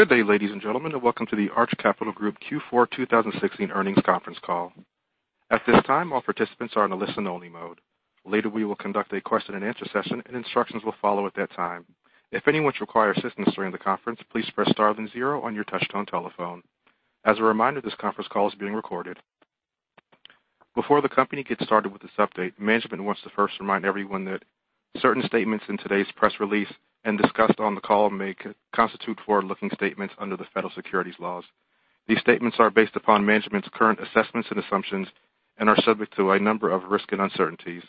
Good day, ladies and gentlemen. Welcome to the Arch Capital Group Q4 2016 earnings conference call. At this time, all participants are in a listen-only mode. Later, we will conduct a question and answer session. Instructions will follow at that time. If anyone requires assistance during the conference, please press star then zero on your touch-tone telephone. As a reminder, this conference call is being recorded. Before the company gets started with this update, management wants to first remind everyone that certain statements in today's press release and discussed on the call may constitute forward-looking statements under the federal securities laws. These statements are based upon management's current assessments and assumptions and are subject to a number of risks and uncertainties.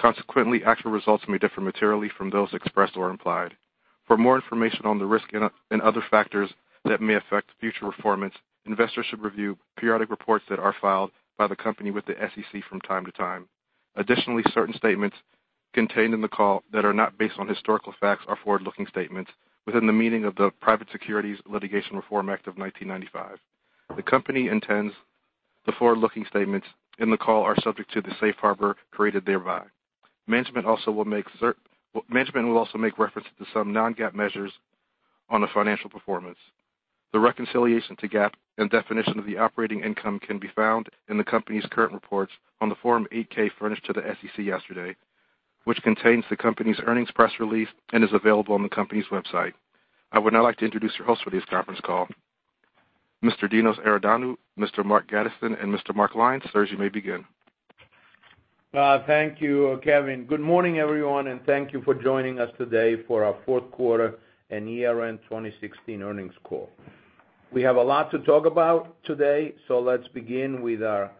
Consequently, actual results may differ materially from those expressed or implied. For more information on the risks and other factors that may affect future performance, investors should review periodic reports that are filed by the company with the SEC from time to time. Additionally, certain statements contained in the call that are not based on historical facts are forward-looking statements within the meaning of the Private Securities Litigation Reform Act of 1995. The company intends the forward-looking statements in the call are subject to the safe harbor created thereby. Management will also make reference to some non-GAAP measures on the financial performance. The reconciliation to GAAP and definition of the operating income can be found in the company's current reports on the Form 8-K furnished to the SEC yesterday, which contains the company's earnings press release and is available on the company's website. I would now like to introduce your host for this conference call, Mr. Dinos Iordanou, Mr. Marc Grandisson, and Mr. Mark Lyons. Sirs, you may begin. Thank you, Kevin. Good morning, everyone. Thank you for joining us today for our fourth quarter and year-end 2016 earnings call. We have a lot to talk about today. Let's begin with our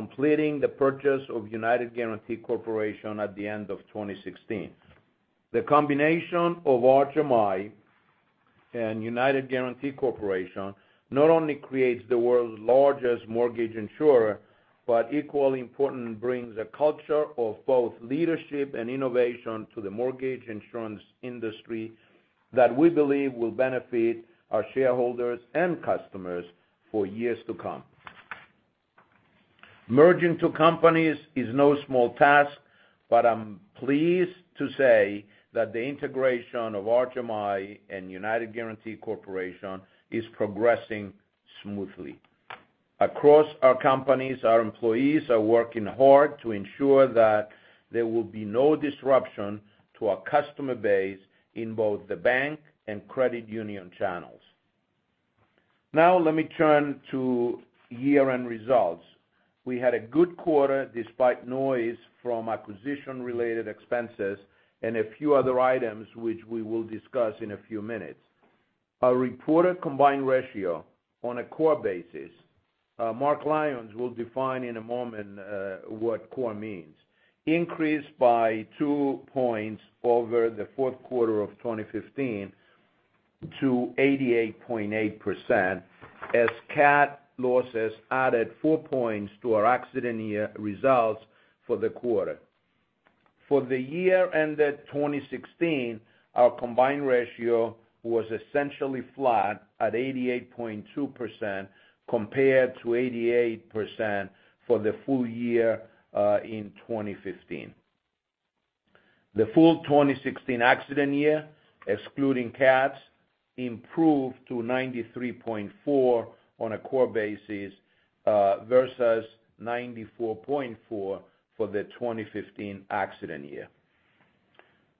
completing the purchase of United Guaranty Corporation at the end of 2016. The combination of Arch MI and United Guaranty Corporation not only creates the world's largest mortgage insurer, but equally important brings a culture of both leadership and innovation to the mortgage insurance industry that we believe will benefit our shareholders and customers for years to come. Merging two companies is no small task, but I'm pleased to say that the integration of Arch MI and United Guaranty Corporation is progressing smoothly. Across our companies, our employees are working hard to ensure that there will be no disruption to our customer base in both the bank and credit union channels. Now let me turn to year-end results. We had a good quarter despite noise from acquisition-related expenses and a few other items which we will discuss in a few minutes. Our reported combined ratio on a core basis, Mark Lyons will define in a moment what core means, increased by two points over the fourth quarter of 2015 to 88.8% as CAT losses added four points to our accident year results for the quarter. For the year ended 2016, our combined ratio was essentially flat at 88.2% compared to 88% for the full year in 2015. The full 2016 accident year, excluding CATs, improved to 93.4 on a core basis versus 94.4 for the 2015 accident year.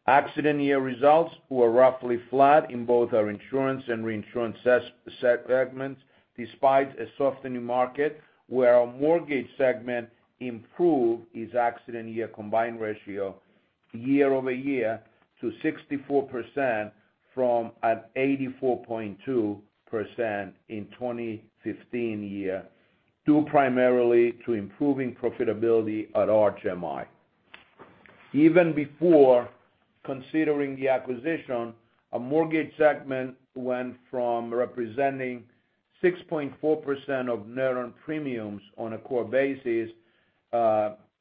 Accident year results were roughly flat in both our insurance and reinsurance segments, despite a softening market where our mortgage segment improved its accident year combined ratio year-over-year to 64% from an 84.2% in 2015 year, due primarily to improving profitability at Arch MI. Even before considering the acquisition, our mortgage segment went from representing 6.4% of net earned premiums on a core basis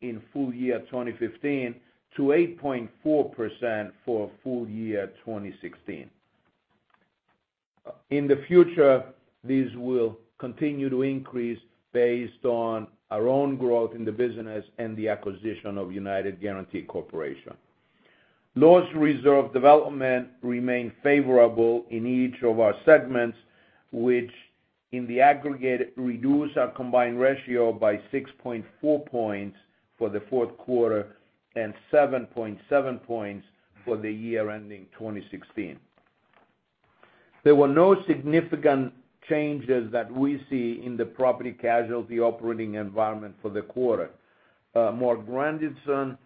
in full year 2015 to 8.4% for full year 2016. In the future, these will continue to increase based on our own growth in the business and the acquisition of United Guaranty Corporation. Loss reserve development remained favorable in each of our segments, which in the aggregate reduced our combined ratio by 6.4 points for the fourth quarter and 7.7 points for the year ending 2016. There were no significant changes that we see in the property casualty operating environment for the quarter. Marc Grandisson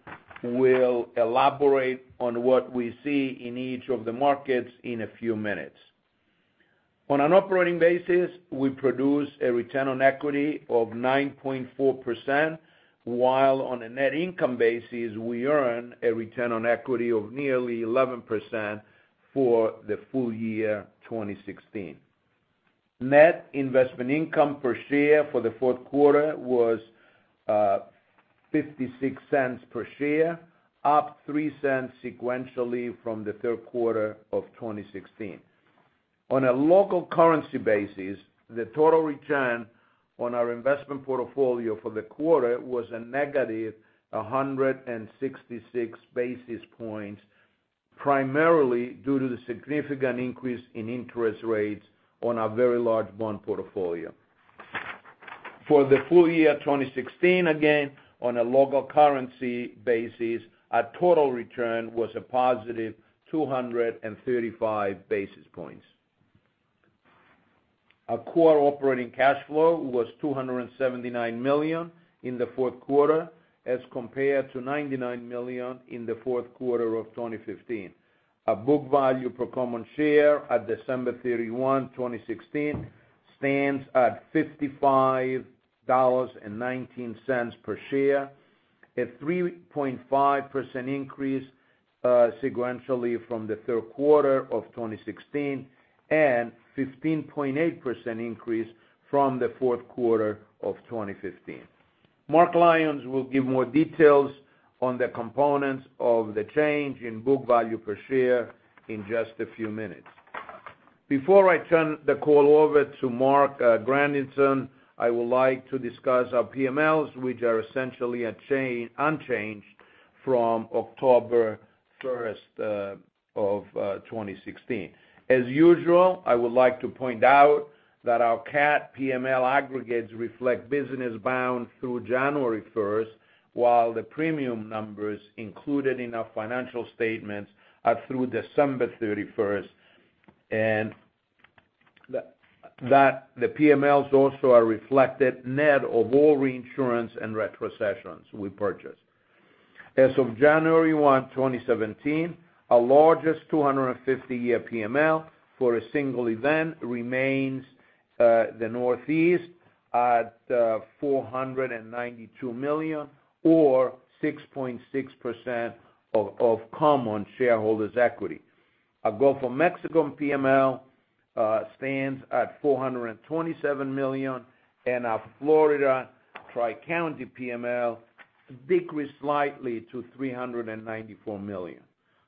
will elaborate on what we see in each of the markets in a few minutes. On an operating basis, we produce a return on equity of 9.4%, while on a net income basis, we earn a return on equity of nearly 11% for the full year 2016. Net investment income per share for the fourth quarter was $0.56 per share, up $0.03 sequentially from the third quarter of 2016. On a local currency basis, the total return On our investment portfolio for the quarter was a negative 166 basis points, primarily due to the significant increase in interest rates on our very large bond portfolio. For the full year 2016, again, on a local currency basis, our total return was a positive 235 basis points. Our core operating cash flow was $279 million in the fourth quarter as compared to $99 million in the fourth quarter of 2015. Our book value per common share at December 31, 2016, stands at $55.19 per share, a 3.5% increase sequentially from the third quarter of 2016, and 15.8% increase from the fourth quarter of 2015. Mark Lyons will give more details on the components of the change in book value per share in just a few minutes. Before I turn the call over to Marc Grandisson, I would like to discuss our PMLs, which are essentially unchanged from October 1st of 2016. As usual, I would like to point out that our CAT PML aggregates reflect business bound through January 1, while the premium numbers included in our financial statements are through December 31, and that the PMLs also are reflected net of all reinsurance and retrocessions we purchased. As of January 1, 2017, our largest 250-year PML for a single event remains the Northeast at $492 million or 6.6% of common shareholders' equity. Our Gulf of Mexico PML stands at $427 million, and our Florida Tri-County PML decreased slightly to $394 million.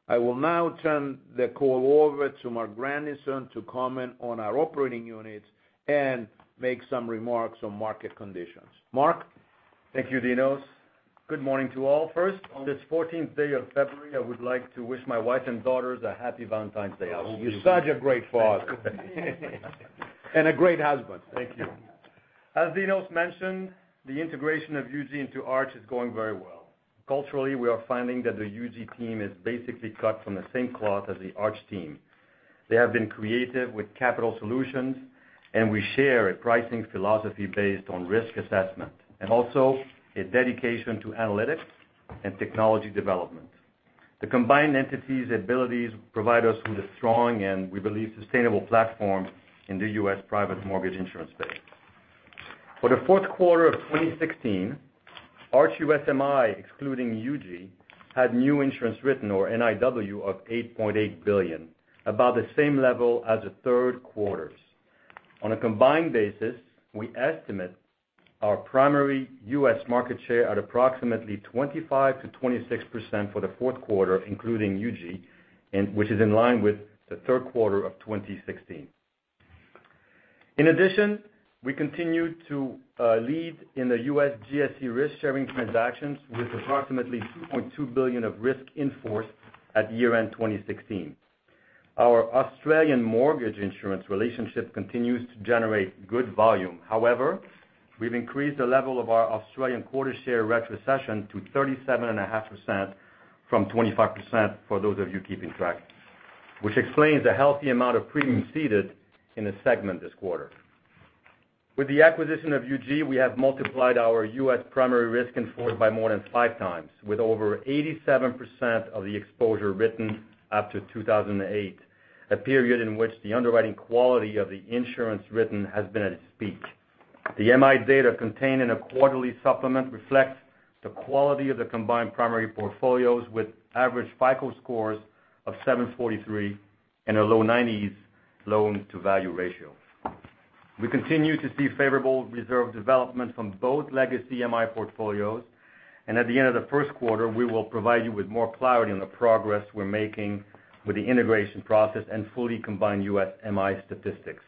I will now turn the call over to Marc Grandisson to comment on our operating units and make some remarks on market conditions. Marc? Thank you, Dinos. Good morning to all. First, on this 14th day of February, I would like to wish my wife and daughters a happy Valentine's Day. Oh, you're such a great father. A great husband. Thank you. As Dinos mentioned, the integration of UG into Arch is going very well. Culturally, we are finding that the UG team is basically cut from the same cloth as the Arch team. They have been creative with capital solutions, and we share a pricing philosophy based on risk assessment, and also a dedication to analytics and technology development. The combined entities' abilities provide us with a strong and, we believe, sustainable platform in the U.S. private mortgage insurance space. For the fourth quarter of 2016, Arch US MI, excluding UG, had new insurance written or NIW of $8.8 billion, about the same level as the third quarters. On a combined basis, we estimate our primary U.S. market share at approximately 25%-26% for the fourth quarter, including UG, which is in line with the third quarter of 2016. In addition, we continue to lead in the U.S. GSE risk-sharing transactions with approximately $2.2 billion of risk in force at year-end 2016. Our Australian mortgage insurance relationship continues to generate good volume. However, we've increased the level of our Australian quota share retrocession to 37.5% from 25% for those of you keeping track, which explains the healthy amount of premium ceded in the segment this quarter. With the acquisition of UG, we have multiplied our U.S. primary risk in force by more than five times, with over 87% of the exposure written after 2008, a period in which the underwriting quality of the insurance written has been at its peak. The MI data contained in a quarterly supplement reflects the quality of the combined primary portfolios with average FICO scores of 743 and a low 90s loan-to-value ratio. We continue to see favorable reserve development from both legacy MI portfolios, and at the end of the first quarter, we will provide you with more clarity on the progress we're making with the integration process and fully combined U.S. MI statistics.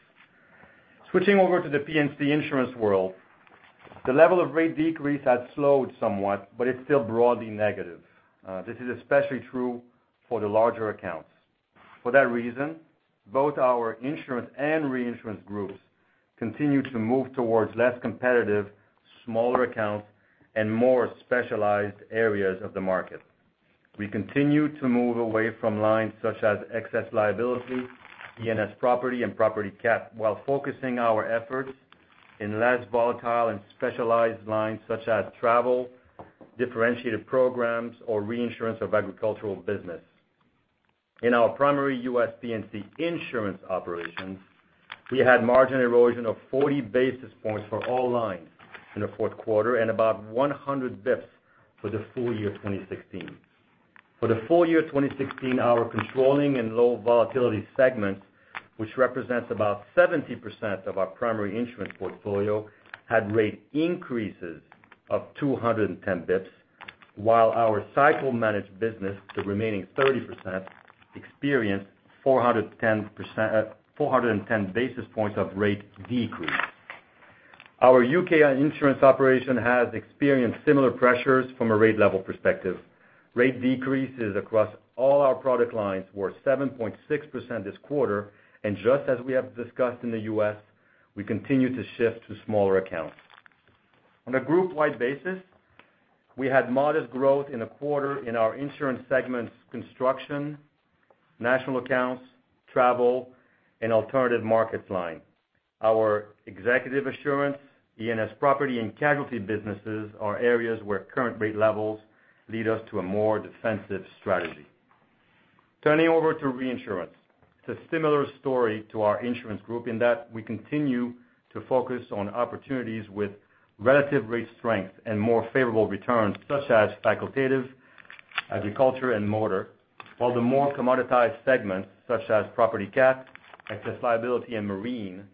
Switching over to the P&C insurance world, the level of rate decrease has slowed somewhat, but it's still broadly negative. This is especially true for the larger accounts. For that reason, both our insurance and reinsurance groups continue to move towards less competitive, smaller accounts and more specialized areas of the market. We continue to move away from lines such as excess liability, E&S property, and property CAT, while focusing our efforts in less volatile and specialized lines such as travel, differentiated programs, or reinsurance of agricultural business. In our primary U.S. P&C insurance operations, we had margin erosion of 40 basis points for all lines in the fourth quarter and about 100 basis points for the full year 2016. For the full year 2016, our controlling and low volatility segments, which represents about 70% of our primary insurance portfolio, had rate increases of 210 basis points. While our cycle managed business, the remaining 30%, experienced 410 basis points of rate decrease. Our U.K. insurance operation has experienced similar pressures from a rate level perspective. Rate decreases across all our product lines were 7.6% this quarter, and just as we have discussed in the U.S., we continue to shift to smaller accounts. On a groupwide basis, we had modest growth in the quarter in our insurance segment's construction, national accounts, travel, and alternative markets line. Our executive assurance, E&S property and casualty businesses are areas where current rate levels lead us to a more defensive strategy. Turning over to reinsurance. It's a similar story to our insurance group in that we continue to focus on opportunities with relative rate strength and more favorable returns, such as facultative, agriculture, and motor. While the more commoditized segments, such as property CAT, excess liability, and marine,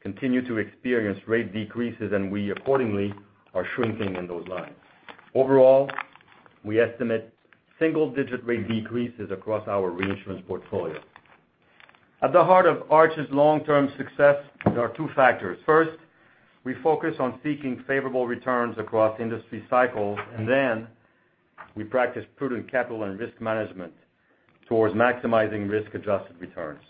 continue to experience rate decreases, and we accordingly are shrinking in those lines. Overall, we estimate single-digit rate decreases across our reinsurance portfolio. At the heart of Arch's long-term success, there are two factors. First, we focus on seeking favorable returns across industry cycles, and then we practice prudent capital and risk management towards maximizing risk-adjusted returns.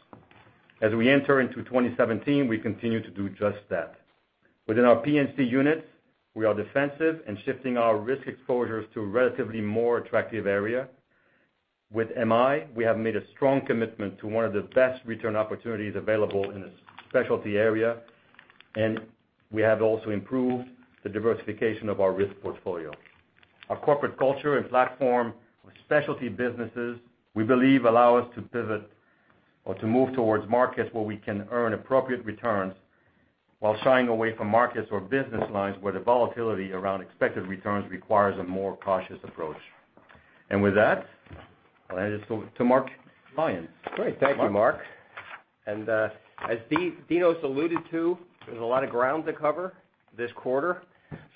As we enter into 2017, we continue to do just that. Within our P&C units, we are defensive and shifting our risk exposures to a relatively more attractive area. With MI, we have made a strong commitment to one of the best return opportunities available in a specialty area, and we have also improved the diversification of our risk portfolio. Our corporate culture and platform for specialty businesses, we believe allow us to pivot or to move towards markets where we can earn appropriate returns while shying away from markets or business lines where the volatility around expected returns requires a more cautious approach. I'll hand it to Mark Lyons. Great. Thank you, Mark. As Dinos alluded to, there's a lot of ground to cover this quarter.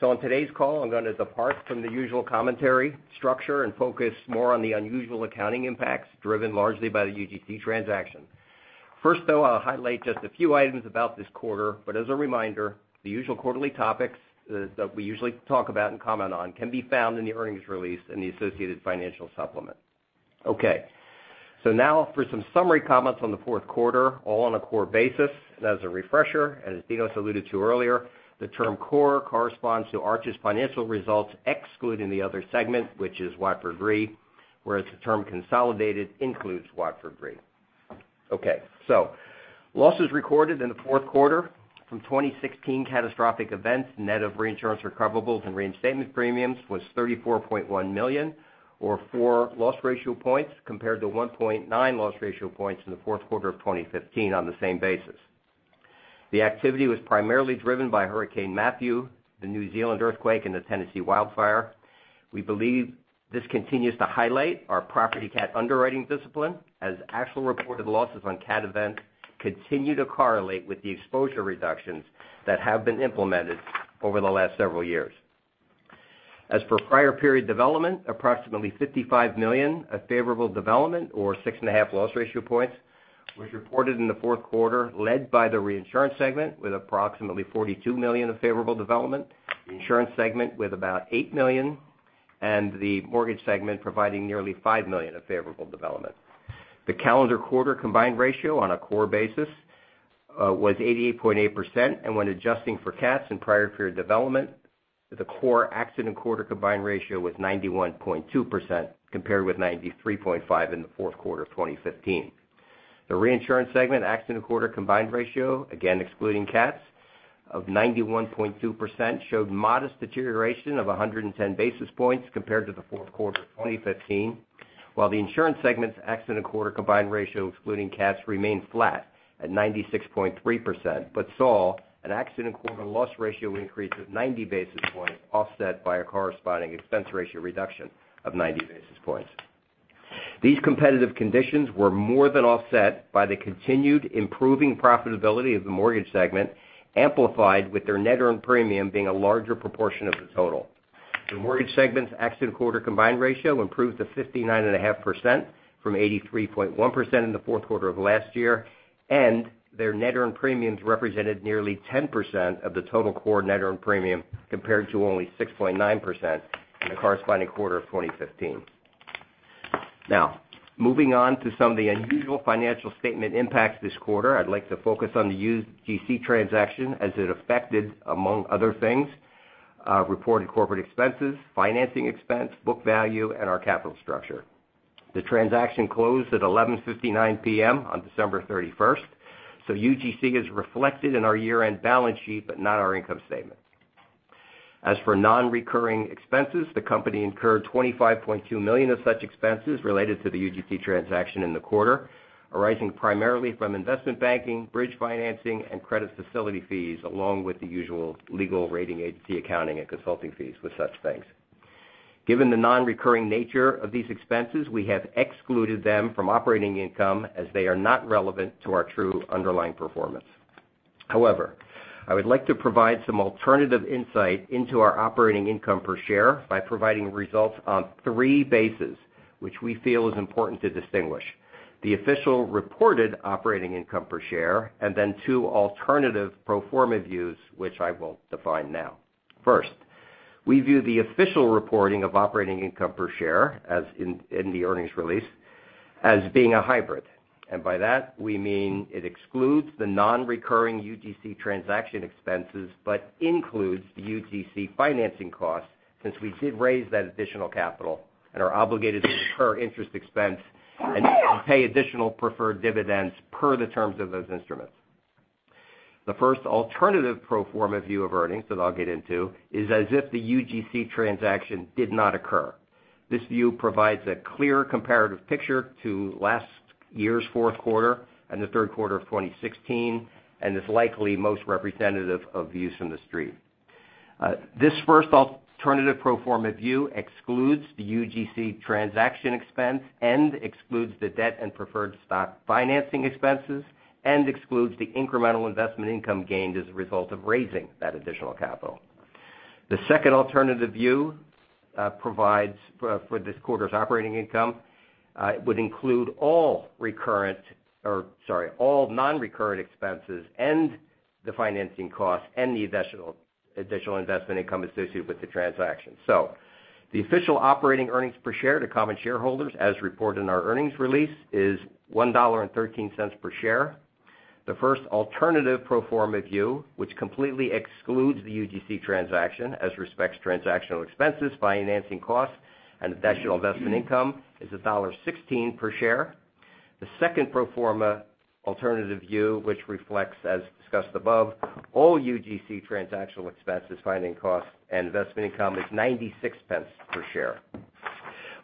On today's call, I'm going to depart from the usual commentary structure and focus more on the unusual accounting impacts driven largely by the UGC transaction. First, though, I'll highlight just a few items about this quarter, but as a reminder, the usual quarterly topics that we usually talk about and comment on can be found in the earnings release and the associated financial supplement. Now for some summary comments on the fourth quarter, all on a core basis. As a refresher, as Dinos alluded to earlier, the term core corresponds to Arch's financial results excluding the other segment, which is Watford Re, whereas the term consolidated includes Watford Re. Losses recorded in the fourth quarter from 2016 catastrophic events, net of reinsurance recoverables and reinstatement premiums was $34.1 million, or four loss ratio points, compared to 1.9 loss ratio points in the fourth quarter of 2015 on the same basis. The activity was primarily driven by Hurricane Matthew, the New Zealand earthquake, and the Tennessee wildfire. We believe this continues to highlight our property CAT underwriting discipline, as actual reported losses on CAT events continue to correlate with the exposure reductions that have been implemented over the last several years. As for prior period development, approximately $55 million of favorable development or 6.5 loss ratio points was reported in the fourth quarter, led by the reinsurance segment with approximately $42 million of favorable development, the insurance segment with about $8 million, and the mortgage segment providing nearly $5 million of favorable development. The calendar quarter combined ratio on a core basis was 88.8%. When adjusting for CATs and prior period development, the core accident quarter combined ratio was 91.2%, compared with 93.5% in the fourth quarter of 2015. The reinsurance segment accident quarter combined ratio, again excluding CATs, of 91.2%, showed modest deterioration of 110 basis points compared to the fourth quarter of 2015. The insurance segment's accident quarter combined ratio excluding CATs remained flat at 96.3% but saw an accident quarter loss ratio increase of 90 basis points offset by a corresponding expense ratio reduction of 90 basis points. These competitive conditions were more than offset by the continued improving profitability of the mortgage segment, amplified with their net earned premium being a larger proportion of the total. The mortgage segment's accident quarter combined ratio improved to 59.5% from 83.1% in the fourth quarter of last year, and their net earned premiums represented nearly 10% of the total core net earned premium compared to only 6.9% in the corresponding quarter of 2015. Moving on to some of the unusual financial statement impacts this quarter. I'd like to focus on the UGC transaction as it affected, among other things, reported corporate expenses, financing expense, book value, and our capital structure. The transaction closed at 11:59 P.M. on December 31st, so UGC is reflected in our year-end balance sheet but not our income statement. As for non-recurring expenses, the company incurred $25.2 million of such expenses related to the UGC transaction in the quarter, arising primarily from investment banking, bridge financing, and credit facility fees along with the usual legal rating agency accounting and consulting fees with such things. Given the non-recurring nature of these expenses, we have excluded them from operating income as they are not relevant to our true underlying performance. I would like to provide some alternative insight into our operating income per share by providing results on three bases, which we feel is important to distinguish. The official reported operating income per share, and then two alternative pro forma views, which I will define now. First, we view the official reporting of operating income per share, as in the earnings release, as being a hybrid. By that, we mean it excludes the non-recurring UGC transaction expenses but includes the UGC financing costs, since we did raise that additional capital and are obligated to incur interest expense and pay additional preferred dividends per the terms of those instruments. The first alternative pro forma view of earnings that I'll get into is as if the UGC transaction did not occur. This view provides a clear comparative picture to last year's fourth quarter and the third quarter of 2016, and is likely most representative of views from the Street. This first alternative pro forma view excludes the UGC transaction expense and excludes the debt and preferred stock financing expenses, and excludes the incremental investment income gained as a result of raising that additional capital. The second alternative view provides for this quarter's operating income. It would include all non-recurrent expenses and the financing costs and the additional investment income associated with the transaction. The official operating earnings per share to common shareholders as reported in our earnings release is $1.13 per share. The first alternative pro forma view, which completely excludes the UGC transaction as respects transactional expenses, financing costs, and additional investment income, is $1.16 per share. The second pro forma alternative view, which reflects, as discussed above, all UGC transactional expenses, financing costs, and investment income, is $0.96 per share.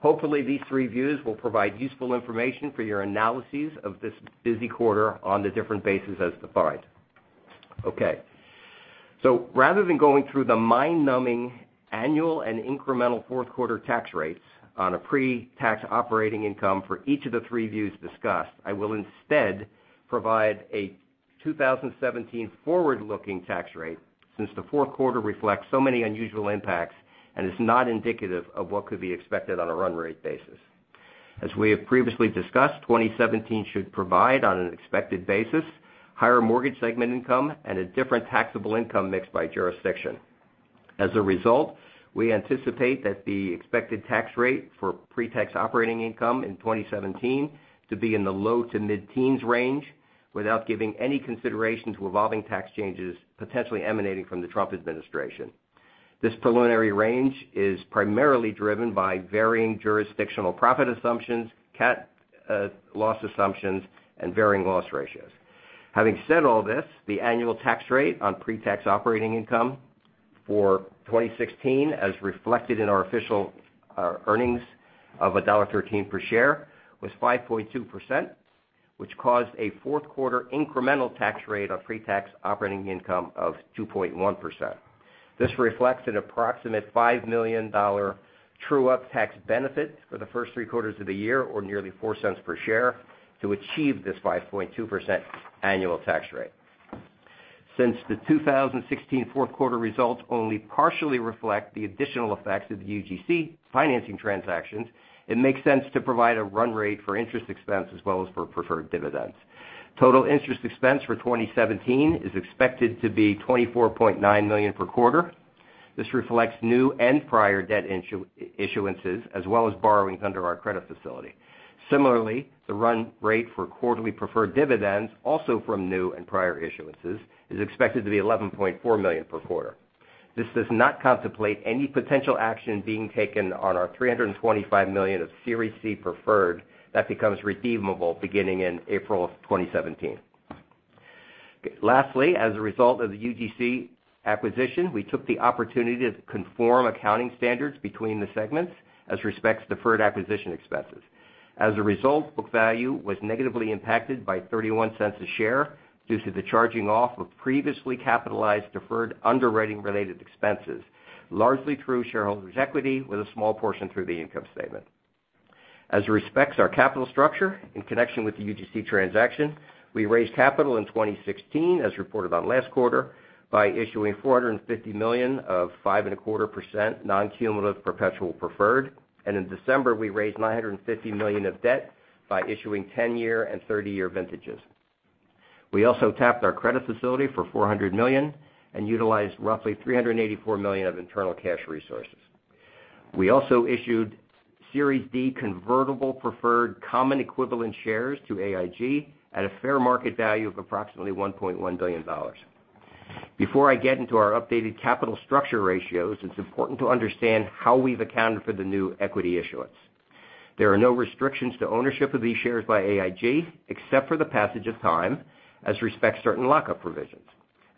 Hopefully, these three views will provide useful information for your analyses of this busy quarter on the different bases as defined. Rather than going through the mind-numbing annual and incremental fourth quarter tax rates on a pre-tax operating income for each of the three views discussed, I will instead provide a 2017 forward-looking tax rate since the fourth quarter reflects so many unusual impacts and is not indicative of what could be expected on a run rate basis. As we have previously discussed, 2017 should provide, on an expected basis, higher mortgage segment income and a different taxable income mix by jurisdiction. As a result, we anticipate that the expected tax rate for pre-tax operating income in 2017 to be in the low to mid-teens range without giving any consideration to evolving tax changes potentially emanating from the Trump administration. This preliminary range is primarily driven by varying jurisdictional profit assumptions, CAT loss assumptions, and varying loss ratios. Having said all this, the annual tax rate on pre-tax operating income for 2016, as reflected in our official earnings of $1.13 per share, was 5.2%, which caused a fourth quarter incremental tax rate on pre-tax operating income of 2.1%. This reflects an approximate $5 million true-up tax benefit for the first three quarters of the year, or nearly $0.04 per share to achieve this 5.2% annual tax rate. Since the 2016 fourth quarter results only partially reflect the additional effects of the UGC financing transactions, it makes sense to provide a run rate for interest expense as well as for preferred dividends. Total interest expense for 2017 is expected to be $24.9 million per quarter. This reflects new and prior debt issuances as well as borrowings under our credit facility. Similarly, the run rate for quarterly preferred dividends, also from new and prior issuances, is expected to be $11.4 million per quarter. This does not contemplate any potential action being taken on our $325 million of Series C preferred that becomes redeemable beginning in April of 2017. Lastly, as a result of the UGC acquisition, we took the opportunity to conform accounting standards between the segments as respects deferred acquisition expenses. As a result, book value was negatively impacted by $0.31 a share due to the charging off of previously capitalized deferred underwriting-related expenses, largely through shareholders' equity, with a small portion through the income statement. As respects our capital structure in connection with the UGC transaction, we raised capital in 2016, as reported on last quarter, by issuing $450 million of 5.25% non-cumulative perpetual preferred, and in December, we raised $950 million of debt by issuing 10-year and 30-year vintages. We also tapped our credit facility for $400 million and utilized roughly $384 million of internal cash resources. We also issued Series D convertible preferred common equivalent shares to AIG at a fair market value of approximately $1.1 billion. Before I get into our updated capital structure ratios, it's important to understand how we've accounted for the new equity issuance. There are no restrictions to ownership of these shares by AIG except for the passage of time as respects certain lock-up provisions.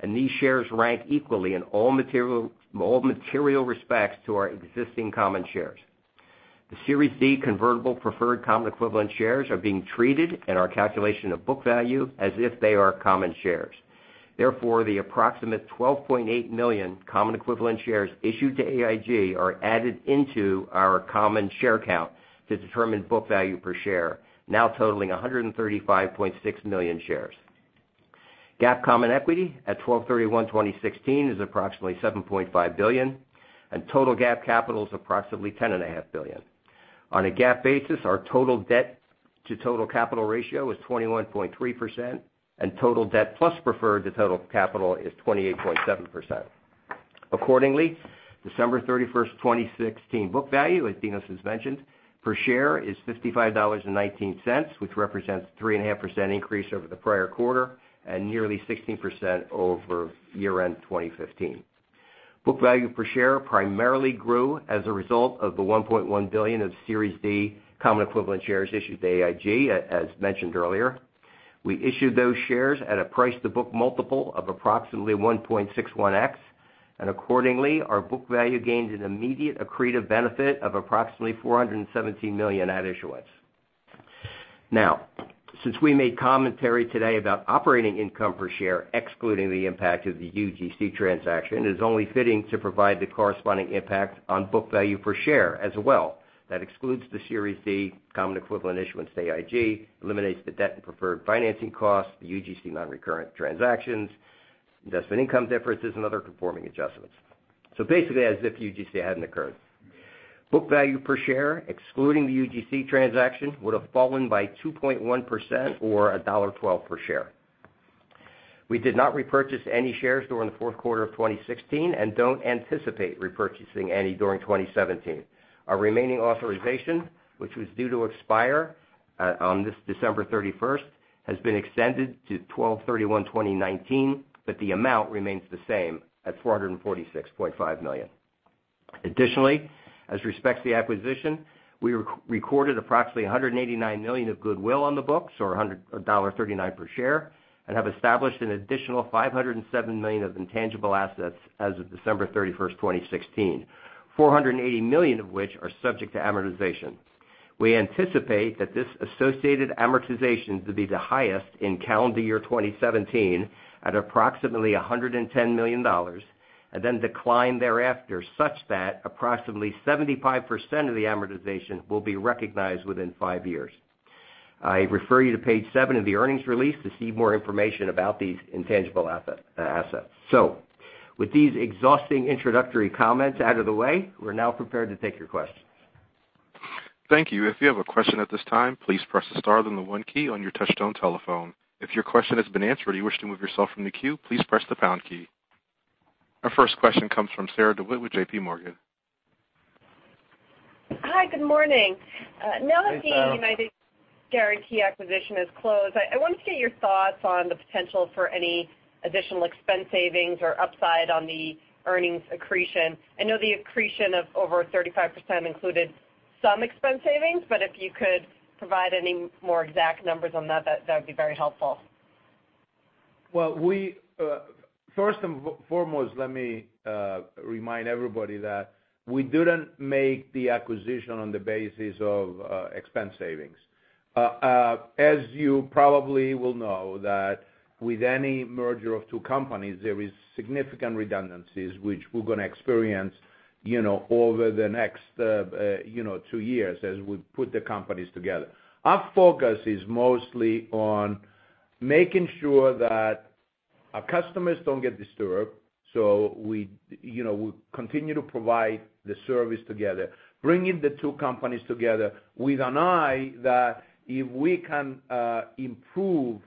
These shares rank equally in all material respects to our existing common shares. The Series D convertible preferred common equivalent shares are being treated in our calculation of book value as if they are common shares. Therefore, the approximate 12.8 million common equivalent shares issued to AIG are added into our common share count to determine book value per share, now totaling 135.6 million shares. GAAP common equity at 12/31/2016 is approximately $7.5 billion. Total GAAP capital is approximately $10.5 billion. On a GAAP basis, our total debt to total capital ratio is 21.3%. Total debt plus preferred to total capital is 28.7%. Accordingly, December 31st, 2016 book value, as Dinos has mentioned, per share is $55.19, which represents 3.5% increase over the prior quarter and nearly 16% over year-end 2015. Book value per share primarily grew as a result of the $1.1 billion of Series D common equivalent shares issued to AIG, as mentioned earlier. We issued those shares at a price-to-book multiple of approximately 1.61x, and accordingly, our book value gained an immediate accretive benefit of approximately $417 million at issuance. Now, since we made commentary today about operating income per share excluding the impact of the UGC transaction, it is only fitting to provide the corresponding impact on book value per share as well. That excludes the Series D common equivalent issuance to AIG, eliminates the debt and preferred financing costs, the UGC non-recurrent transactions, investment income differences and other conforming adjustments. Basically, as if UGC hadn't occurred. Book value per share, excluding the UGC transaction, would've fallen by 2.1% or $1.12 per share. We did not repurchase any shares during the fourth quarter of 2016, and don't anticipate repurchasing any during 2017. Our remaining authorization, which was due to expire on this December 31st, has been extended to 12/31/2019, but the amount remains the same at $446.5 million. Additionally, as respects the acquisition, we recorded approximately $189 million of goodwill on the books, or $1.39 per share, and have established an additional $507 million of intangible assets as of December 31st, 2016, $480 million of which are subject to amortization. We anticipate that this associated amortization to be the highest in calendar year 2017 at approximately $110 million, and then decline thereafter, such that approximately 75% of the amortization will be recognized within five years. I refer you to page seven of the earnings release to see more information about these intangible assets. With these exhausting introductory comments out of the way, we're now prepared to take your questions. Thank you. If you have a question at this time, please press the star then the one key on your touchtone telephone. If your question has been answered or you wish to remove yourself from the queue, please press the pound key. Our first question comes from Sarah DeWitt with JPMorgan. Hi, good morning. Hey, Sarah. Now that the United Guaranty acquisition is closed, I wanted to get your thoughts on the potential for any additional expense savings or upside on the earnings accretion. I know the accretion of over 35% included some expense savings, but if you could provide any more exact numbers on that would be very helpful. Well, first and foremost, let me remind everybody that we didn't make the acquisition on the basis of expense savings. As you probably will know, that with any merger of two companies, there is significant redundancies, which we're going to experience over the next two years as we put the companies together. Our focus is mostly on making sure that our customers don't get disturbed. We'll continue to provide the service together, bringing the two companies together with an eye that if we can improve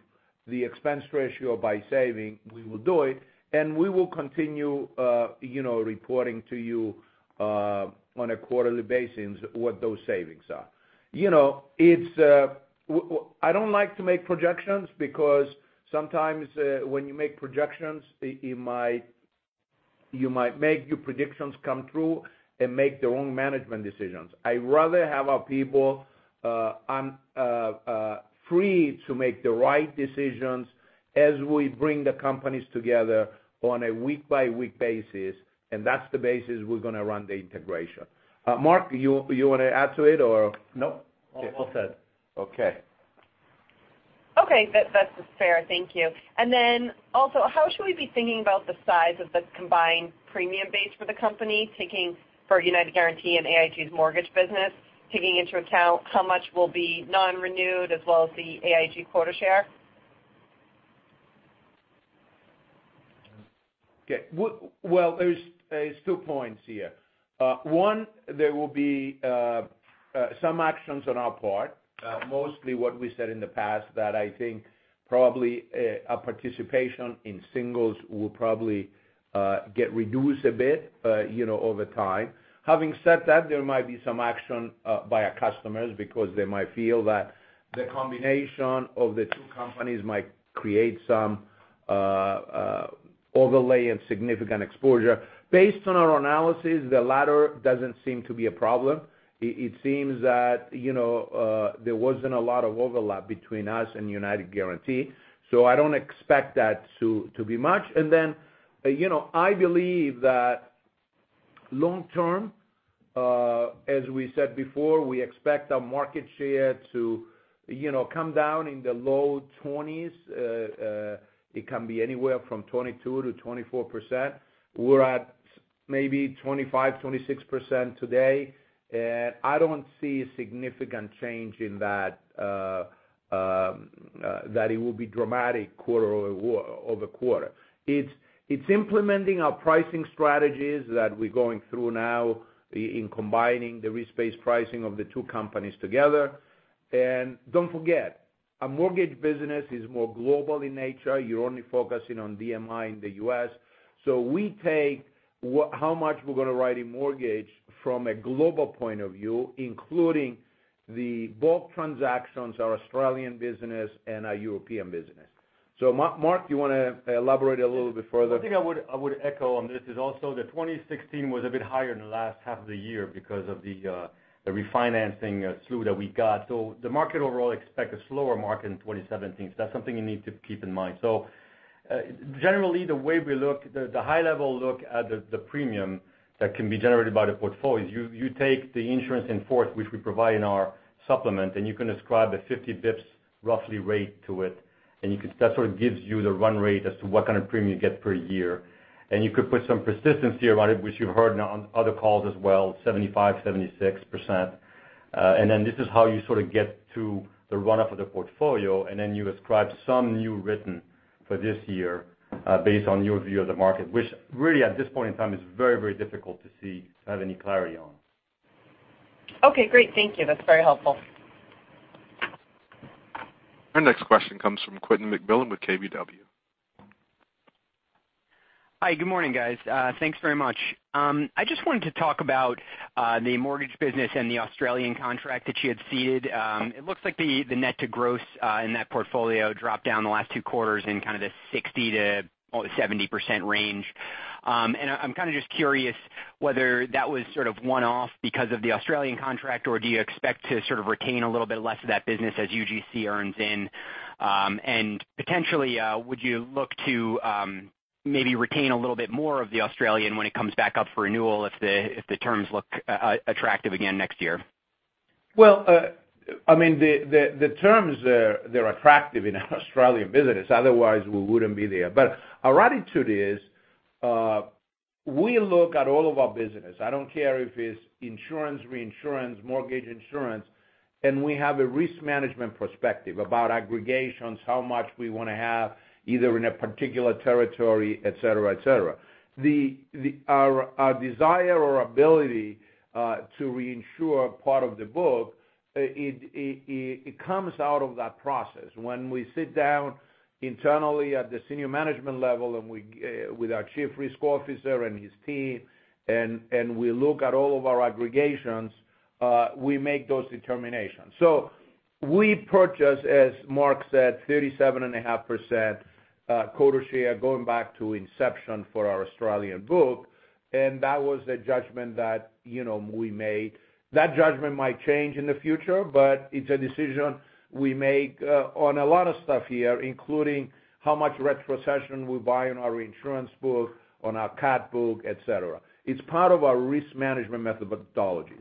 the expense ratio by saving, we will do it, and we will continue reporting to you on a quarterly basis what those savings are. I don't like to make projections because sometimes when you make projections, you might make your predictions come true and make the wrong management decisions. I'd rather have our people free to make the right decisions as we bring the companies together on a week-by-week basis, that's the basis we're going to run the integration. Mark, you want to add to it or? No. All set. Okay. Okay. That is fair. Thank you. Then also, how should we be thinking about the size of the combined premium base for the company, for United Guaranty and AIG's mortgage business, taking into account how much will be non-renewed as well as the AIG quota share? Okay. Well, there's two points here. One, there will be some actions on our part, mostly what we said in the past, that I think probably our participation in singles will probably get reduced a bit over time. Having said that, there might be some action by our customers because they might feel that the combination of the two companies might create some overlay and significant exposure. Based on our analysis, the latter doesn't seem to be a problem. It seems that there wasn't a lot of overlap between us and United Guaranty, so I don't expect that to be much. Then, I believe that long term, as we said before, we expect our market share to come down in the low 20s. It can be anywhere from 22%-24%. We're at Maybe 25%, 26% today. I don't see a significant change in that it will be dramatic quarter-over-quarter. It's implementing our pricing strategies that we're going through now in combining the risk-based pricing of the two companies together. Don't forget, a mortgage business is more global in nature. You're only focusing on MI in the U.S. We take how much we're going to write in mortgage from a global point of view, including the bulk transactions, our Australian business, and our European business. Mark, do you want to elaborate a little bit further? The thing I would echo on this is also that 2016 was a bit higher in the last half of the year because of the refinancing slew that we got. The market overall expect a slower market in 2017. That's something you need to keep in mind. Generally, the way we look, the high-level look at the premium that can be generated by the portfolio is you take the insurance in force, which we provide in our supplement, and you can ascribe a 50 basis points roughly rate to it, and that sort of gives you the run rate as to what kind of premium you get per year. You could put some persistency around it, which you've heard on other calls as well, 75%, 76%. This is how you sort of get to the run-up of the portfolio, and then you ascribe some new written for this year, based on your view of the market, which really, at this point in time, is very difficult to see or have any clarity on. Okay, great. Thank you. That's very helpful. Our next question comes from Quentin McMillan with KBW. Hi, good morning, guys. Thanks very much. I just wanted to talk about the mortgage business and the Australian contract that you had ceded. It looks like the net to gross in that portfolio dropped down the last two quarters in kind of the 60%-70% range. I'm kind of just curious whether that was sort of one-off because of the Australian contract, or do you expect to sort of retain a little bit less of that business as UGC earns in? Potentially, would you look to maybe retain a little bit more of the Australian when it comes back up for renewal if the terms look attractive again next year? Well, the terms there, they're attractive in our Australian business. Otherwise, we wouldn't be there. Our attitude is we look at all of our business. I don't care if it's insurance, reinsurance, mortgage insurance, we have a risk management perspective about aggregations, how much we want to have either in a particular territory, et cetera. Our desire or ability to reinsure a part of the book, it comes out of that process. When we sit down internally at the senior management level with our chief risk officer and his team, we look at all of our aggregations, we make those determinations. We purchased, as Mark said, 37.5% quota share going back to inception for our Australian book, that was the judgment that we made. That judgment might change in the future, it's a decision we make on a lot of stuff here, including how much retrocession we buy on our insurance book, on our CAT book, et cetera. It's part of our risk management methodology.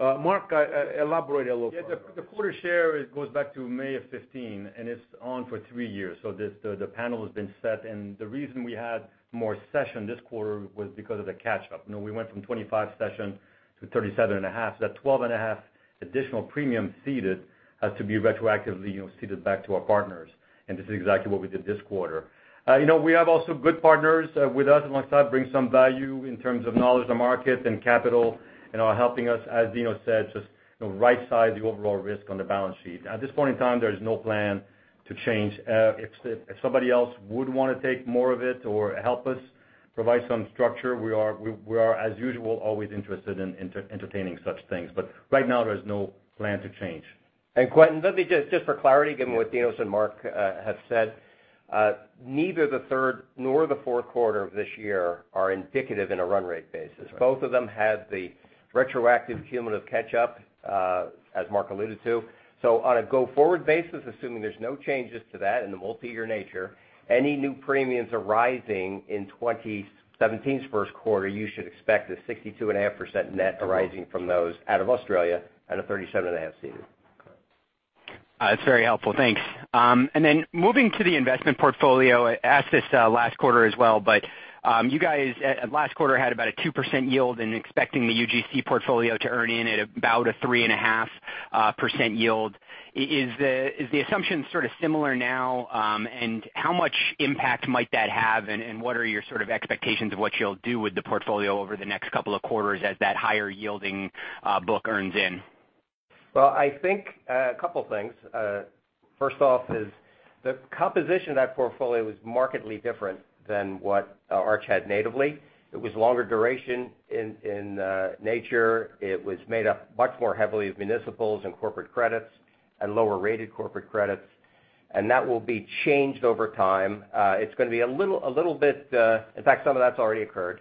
Mark, elaborate a little further on that. Yeah. The quota share goes back to May of 2015, and it's on for three years. The panel has been set, and the reason we had more cessions this quarter was because of the catch-up. We went from 25 cessions to 37.5. That 12.5 additional premium ceded has to be retroactively ceded back to our partners, and this is exactly what we did this quarter. We have also good partners with us alongside, bring some value in terms of knowledge of the market and capital, and are helping us, as Dinos said, just right-size the overall risk on the balance sheet. At this point in time, there is no plan to change. If somebody else would want to take more of it or help us provide some structure, we are, as usual, always interested in entertaining such things. Right now, there is no plan to change. Quentin, let me just for clarity, given what Dinos and Marc have said, neither the third nor the fourth quarter of this year are indicative in a run rate basis. Both of them had the retroactive cumulative catch-up, as Marc alluded to. On a go-forward basis, assuming there's no changes to that in the multi-year nature, any new premiums arising in 2017's first quarter, you should expect a 62.5% net arising from those out of Australia at a 37.5 ceding. Got it. That's very helpful. Thanks. Then moving to the investment portfolio, I asked this last quarter as well, but you guys last quarter had about a 2% yield and expecting the UGC portfolio to earn in at about a 3.5% yield. Is the assumption sort of similar now? How much impact might that have, and what are your sort of expectations of what you'll do with the portfolio over the next couple of quarters as that higher-yielding book earns in? Well, I think a couple things. First off is the composition of that portfolio was markedly different than what Arch had natively. It was longer duration in nature. It was made up much more heavily of municipals and corporate credits and lower-rated corporate credits, and that will be changed over time. It's going to be a little bit In fact, some of that's already occurred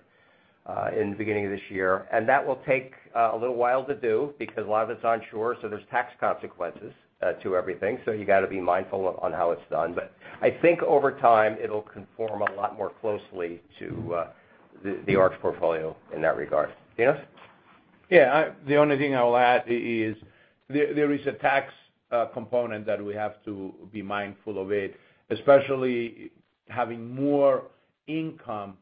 in the beginning of this year. That will take a little while to do because a lot of it's onshore, there's tax consequences to everything. You got to be mindful on how it's done. I think over time, it'll conform a lot more closely to the Arch portfolio in that regard. Dinos? The only thing I will add is there is a tax component that we have to be mindful of it, especially having more income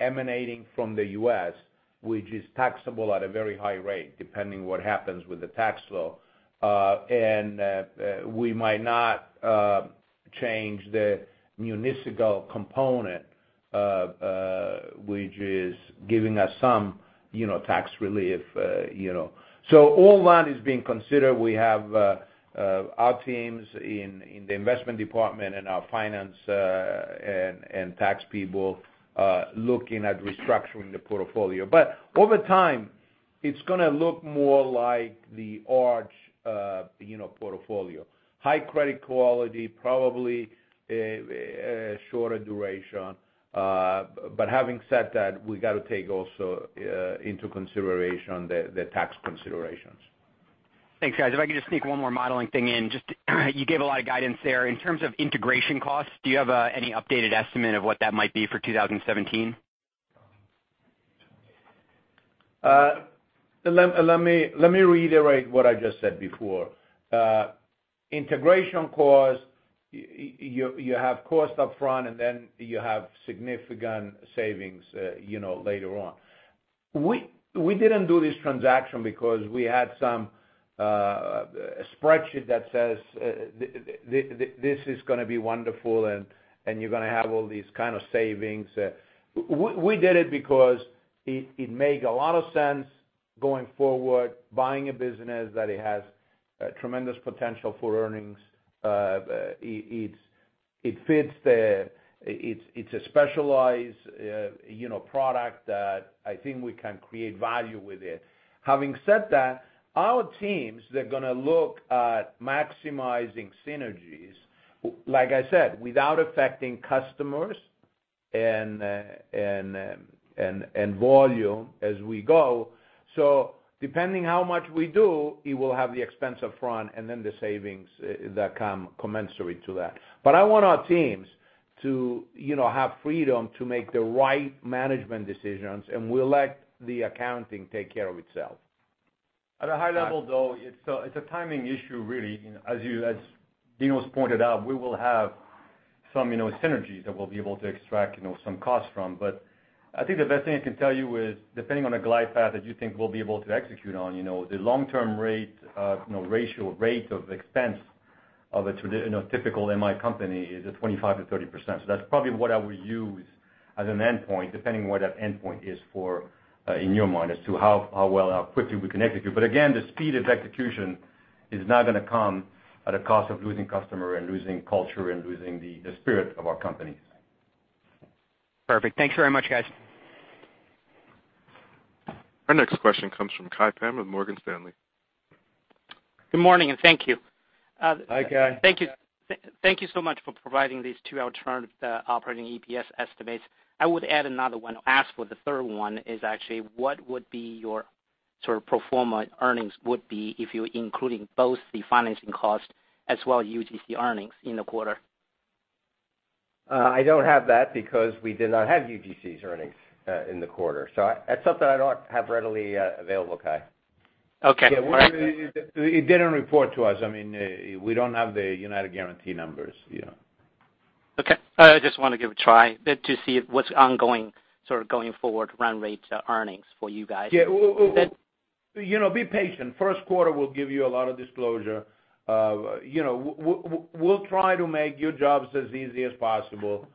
emanating from the U.S., which is taxable at a very high rate, depending what happens with the tax law. We might not change the municipal component, which is giving us some tax relief. All that is being considered. We have our teams in the investment department and our finance and tax people looking at restructuring the portfolio. Over time, it's going to look more like the Arch portfolio. High credit quality, probably a shorter duration. Having said that, we got to take also into consideration the tax considerations. Thanks, guys. If I could just sneak one more modeling thing in. You gave a lot of guidance there. In terms of integration costs, do you have any updated estimate of what that might be for 2017? Let me reiterate what I just said before. Integration cost, you have cost up front, and then you have significant savings later on. We didn't do this transaction because we had some spreadsheet that says, "This is going to be wonderful, and you're going to have all these kind of savings." We did it because it made a lot of sense going forward, buying a business that it has tremendous potential for earnings. It's a specialized product that I think we can create value with it. Having said that, our teams, they're going to look at maximizing synergies, like I said, without affecting customers and volume as we go. Depending how much we do, it will have the expense up front and then the savings that come commensurate to that. I want our teams to have freedom to make the right management decisions, and we'll let the accounting take care of itself. At a high level, though, it's a timing issue, really. As Dinos's pointed out, we will have some synergies that we'll be able to extract some costs from. I think the best thing I can tell you is, depending on the glide path that you think we'll be able to execute on, the long-term rate of expense of a typical MI company is at 25%-30%. That's probably what I would use as an endpoint, depending what that endpoint is in your mind as to how well, how quickly we can execute. Again, the speed of execution is not going to come at a cost of losing customer and losing culture and losing the spirit of our companies. Perfect. Thanks very much, guys. Our next question comes from Kai Pan with Morgan Stanley. Good morning, and thank you. Hi, Kai. Thank you so much for providing these two alternative operating EPS estimates. I would add another one. Ask for the third one, is actually what would be your sort of pro forma earnings would be if you're including both the financing cost as well as UGC earnings in the quarter? I don't have that because we did not have UGC's earnings in the quarter. That's something I don't have readily available, Kai. Okay. All right. It didn't report to us. We don't have the United Guaranty numbers. Okay. I just want to give a try to see what's ongoing sort of going forward run rate earnings for you guys. Yeah. Be patient. First quarter will give you a lot of disclosure. We'll try to make your jobs as easy as possible.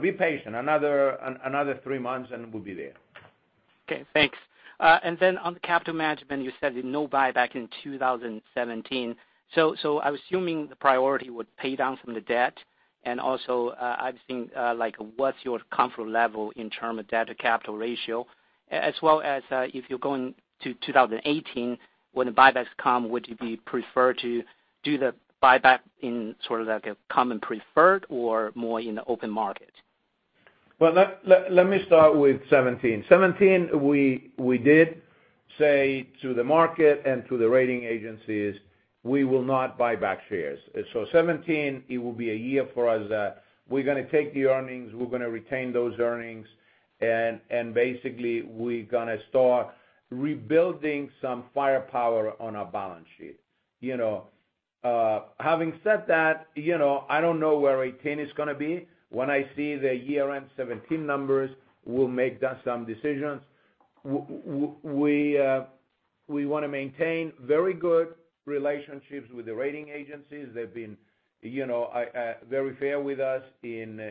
Be patient. Another three months, we'll be there. Okay, thanks. Then on the capital management, you said no buyback in 2017. I'm assuming the priority would pay down some of the debt, and also I'm think like what's your comfort level in term of debt to capital ratio? As well as if you're going to 2018, when the buybacks come, would you be prefer to do the buyback in sort of like a common preferred or more in the open market? Let me start with 2017. 2017, we did say to the market and to the rating agencies, we will not buy back shares. 2017, it will be a year for us that we're going to take the earnings, we're going to retain those earnings, and basically, we're going to start rebuilding some firepower on our balance sheet. Having said that, I don't know where 2018 is going to be. When I see the year-end 2017 numbers, we'll make some decisions. We want to maintain very good relationships with the rating agencies. They've been very fair with us in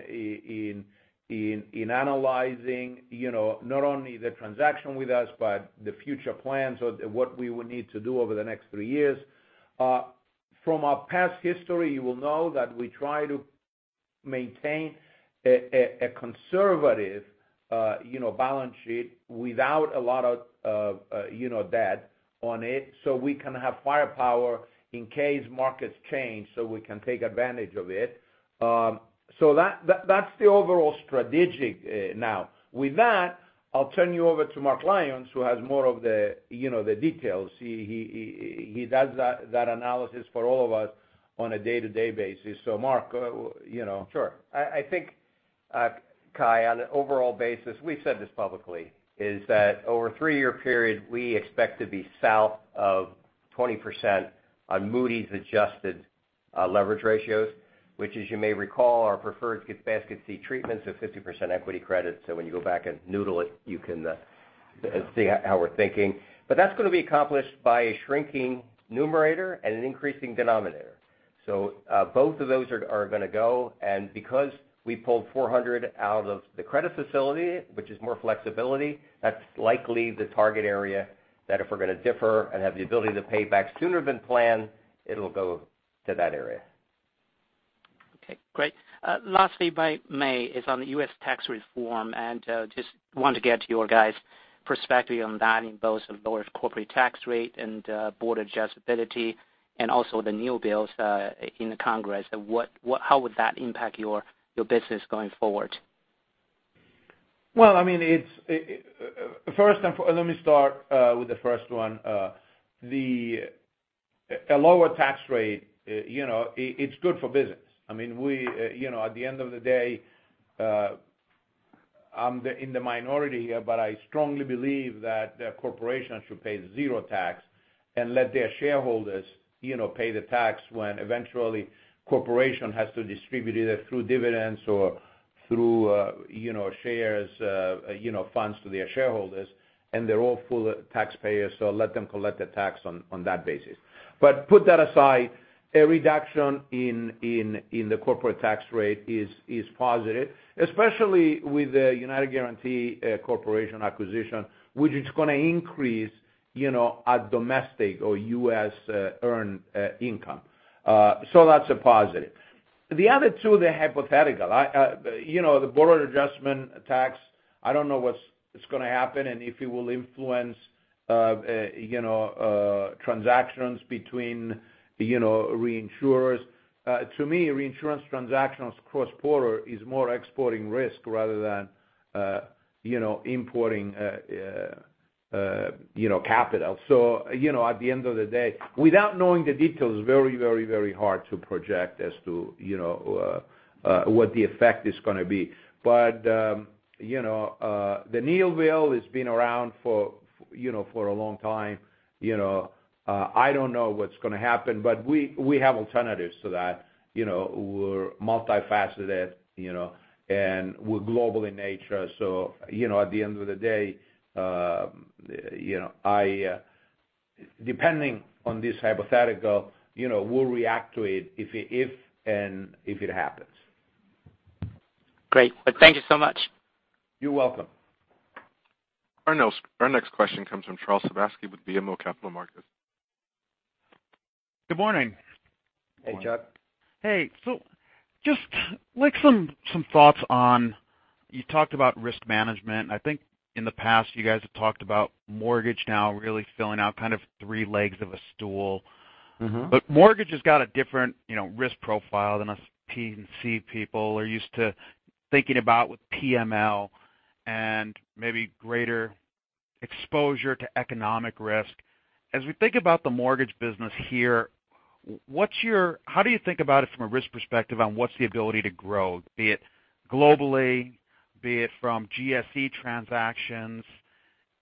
analyzing not only the transaction with us, but the future plans of what we would need to do over the next three years. From our past history, you will know that we try to maintain a conservative balance sheet without a lot of debt on it so we can have firepower in case markets change, so we can take advantage of it. That's the overall strategy now. With that, I'll turn you over to Mark Lyons, who has more of the details. He does that analysis for all of us on a day-to-day basis. Mark. Sure. I think Kai, on an overall basis, we've said this publicly, is that over a three-year period, we expect to be south of 20% on Moody's adjusted leverage ratios, which as you may recall, our preferred gets basket C treatments of 50% equity credit. When you go back and noodle it, you can see how we're thinking. That's going to be accomplished by a shrinking numerator and an increasing denominator. Both of those are going to go, and because we pulled $400 out of the credit facility, which is more flexibility, that's likely the target area that if we're going to differ and have the ability to pay back sooner than planned, it'll go to that area. Okay, great. Lastly, my question is on the U.S. tax reform. Just want to get your guys' perspective on that in both lower corporate tax rate and border adjustability, and also the new bills in the Congress. How would that impact your business going forward? Well, let me start with the first one. A lower tax rate, it's good for business. At the end of the day, I'm in the minority here, but I strongly believe that corporations should pay zero tax and let their shareholders pay the tax when eventually corporation has to distribute it through dividends or through shares, funds to their shareholders. They're all full taxpayers, so let them collect the tax on that basis. Put that aside, a reduction in the corporate tax rate is positive, especially with the United Guaranty Corporation acquisition, which is going to increase our domestic or U.S.-earned income. That's a positive. The other two, the hypothetical. The border adjustment tax, I don't know what's going to happen and if it will influence transactions between reinsurers. To me, reinsurance transactions cross-border is more exporting risk rather than importing capital. At the end of the day, without knowing the details, very hard to project as to what the effect is going to be. The Neal Bill has been around for a long time. I don't know what's going to happen, but we have alternatives to that. We're multifaceted, and we're global in nature. At the end of the day, depending on this hypothetical, we'll react to it if it happens. Great. Thank you so much. You're welcome. Our next question comes from Charles Sebaski with BMO Capital Markets. Good morning. Hey, Chuck. Hey. Just like some thoughts on, you talked about risk management. I think in the past you guys have talked about mortgage now really filling out kind of three legs of a stool. Mortgage has got a different risk profile than us P&C people are used to thinking about with PML and maybe greater exposure to economic risk. As we think about the mortgage business here, how do you think about it from a risk perspective on what's the ability to grow, be it globally, be it from GSE transactions?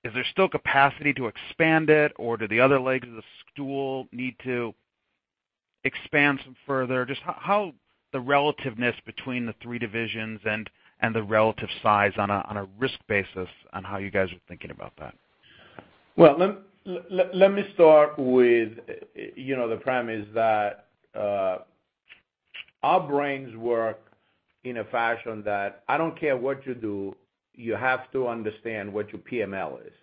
Is there still capacity to expand it or do the other legs of the stool need to expand some further? Just how the relativeness between the three divisions and the relative size on a risk basis on how you guys are thinking about that? Well, let me start with the premise that our brains work in a fashion that I don't care what you do, you have to understand what your PML is,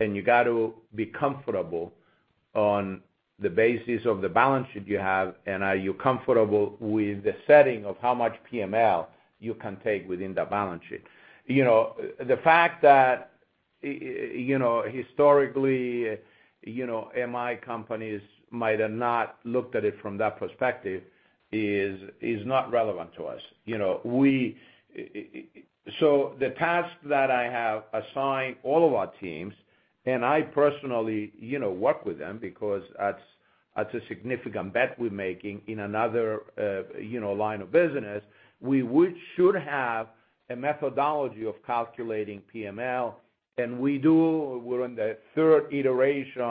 and you got to be comfortable on the basis of the balance sheet you have, and are you comfortable with the setting of how much PML you can take within that balance sheet? The fact that historically MI companies might have not looked at it from that perspective is not relevant to us. The task that I have assigned all of our teams, and I personally work with them because that's a significant bet we're making in another line of business, we should have a methodology of calculating PML, and we do. We're on the third iteration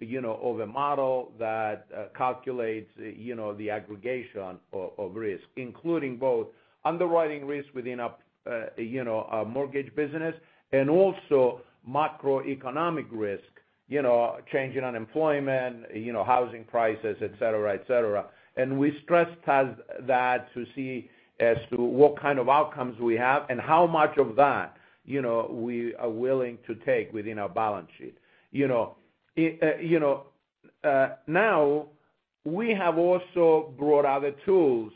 of a model that calculates the aggregation of risk, including both underwriting risk within our mortgage business and also macroeconomic risk, change in unemployment, housing prices, et cetera. We stress test that to see as to what kind of outcomes we have and how much of that we are willing to take within our balance sheet. Now, we have also brought other tools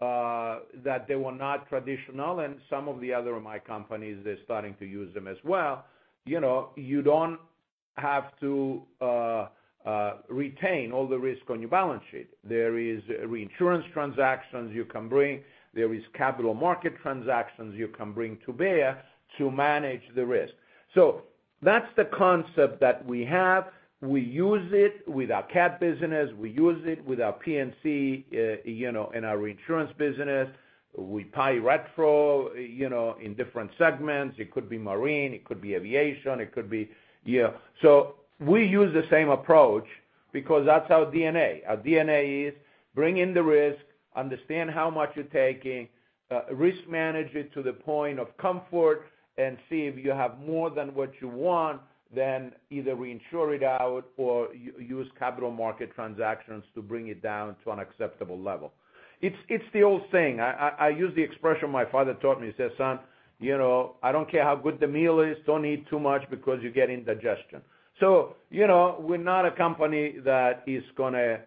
that they were not traditional, and some of the other MI companies, they're starting to use them as well. You don't have to retain all the risk on your balance sheet. There is reinsurance transactions you can bring. There is capital market transactions you can bring to bear to manage the risk. That's the concept that we have. We use it with our CAT business. We use it with our P&C, in our reinsurance business. We pay retro in different segments. It could be marine, it could be aviation. We use the same approach because that's our DNA. Our DNA is bring in the risk, understand how much you're taking, risk manage it to the point of comfort, and see if you have more than what you want, then either reinsure it out or use capital market transactions to bring it down to an acceptable level. It's the old saying. I use the expression my father taught me. He said, "Son, I don't care how good the meal is, don't eat too much because you get indigestion." We're not a company that is going to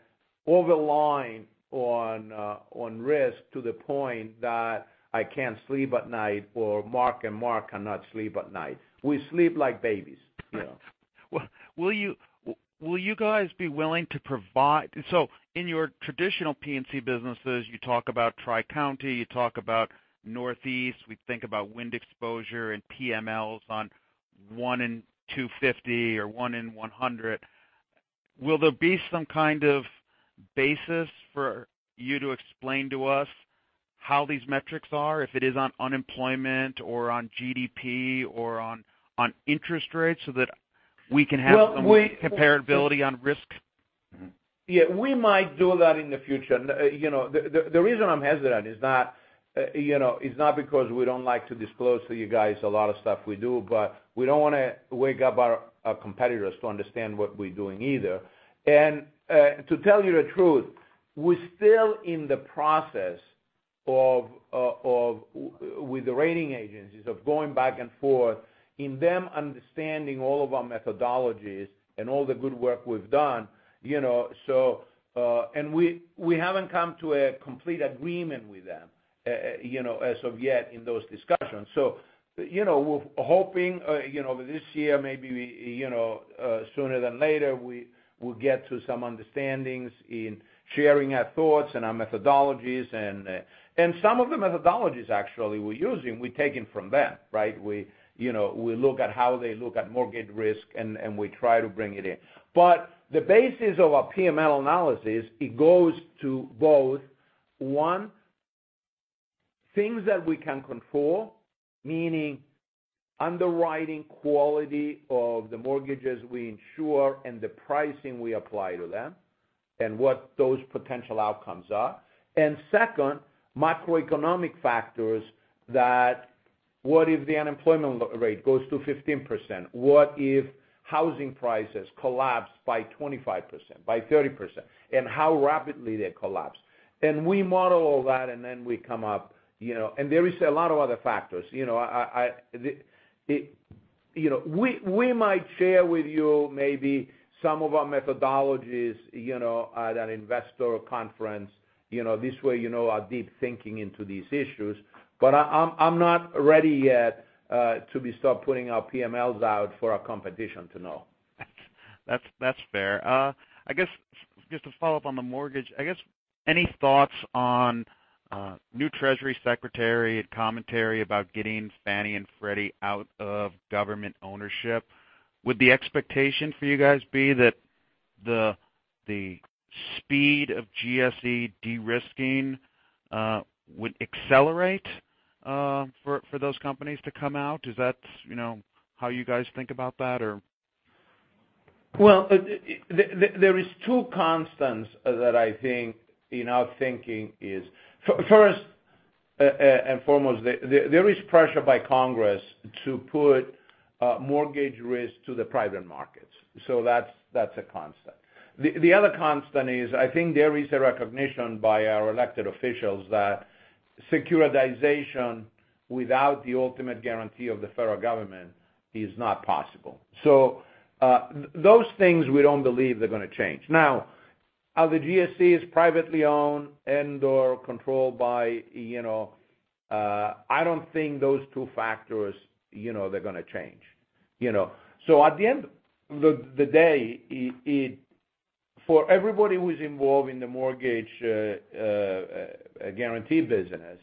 overline on risk to the point that I can't sleep at night, or Marc and Mark cannot sleep at night. We sleep like babies. Will you guys be willing to provide? In your traditional P&C businesses, you talk about Tri-County, you talk about Northeast, we think about wind exposure and PMLs on one in 250 or one in 100. Will there be some kind of basis for you to explain to us how these metrics are, if it is on unemployment or on GDP or on interest rates so that we can have some Well. comparability on risk? Yeah, we might do that in the future. The reason I'm hesitant is not because we don't like to disclose to you guys a lot of stuff we do, but we don't want to wake up our competitors to understand what we're doing either. To tell you the truth, we're still in the process with the rating agencies of going back and forth in them understanding all of our methodologies and all the good work we've done. We haven't come to a complete agreement with them as of yet in those discussions. We're hoping this year, maybe sooner than later, we will get to some understandings in sharing our thoughts and our methodologies. Some of the methodologies, actually, we're using, we've taken from them, right? We look at how they look at mortgage risk, and we try to bring it in. The basis of our PML analysis, it goes to both, 1, things that we can control, meaning underwriting quality of the mortgages we insure and the pricing we apply to them, and what those potential outcomes are. Second, macroeconomic factors that, what if the unemployment rate goes to 15%? What if housing prices collapse by 25%, by 30%, and how rapidly they collapse? We model all that, and then we come up. There is a lot of other factors. We might share with you maybe some of our methodologies at an investor conference, this way you know our deep thinking into these issues. I'm not ready yet to start putting our PMLs out for our competition to know. That's fair. I guess just to follow up on the mortgage, any thoughts on new Treasury Secretary commentary about getting Fannie and Freddie out of government ownership? Would the expectation for you guys be that the speed of GSE de-risking would accelerate for those companies to come out? Is that how you guys think about that, or? Well, there is two constants that I think in our thinking is. First and foremost, there is pressure by Congress to put mortgage risk to the private markets. That's a constant. The other constant is, I think there is a recognition by our elected officials that securitization without the ultimate guarantee of the federal government is not possible. Those things, we don't believe they're going to change. Now, are the GSEs privately owned and/or controlled by I don't think those two factors, they're going to change. At the end of the day, for everybody who's involved in the mortgage guarantee business,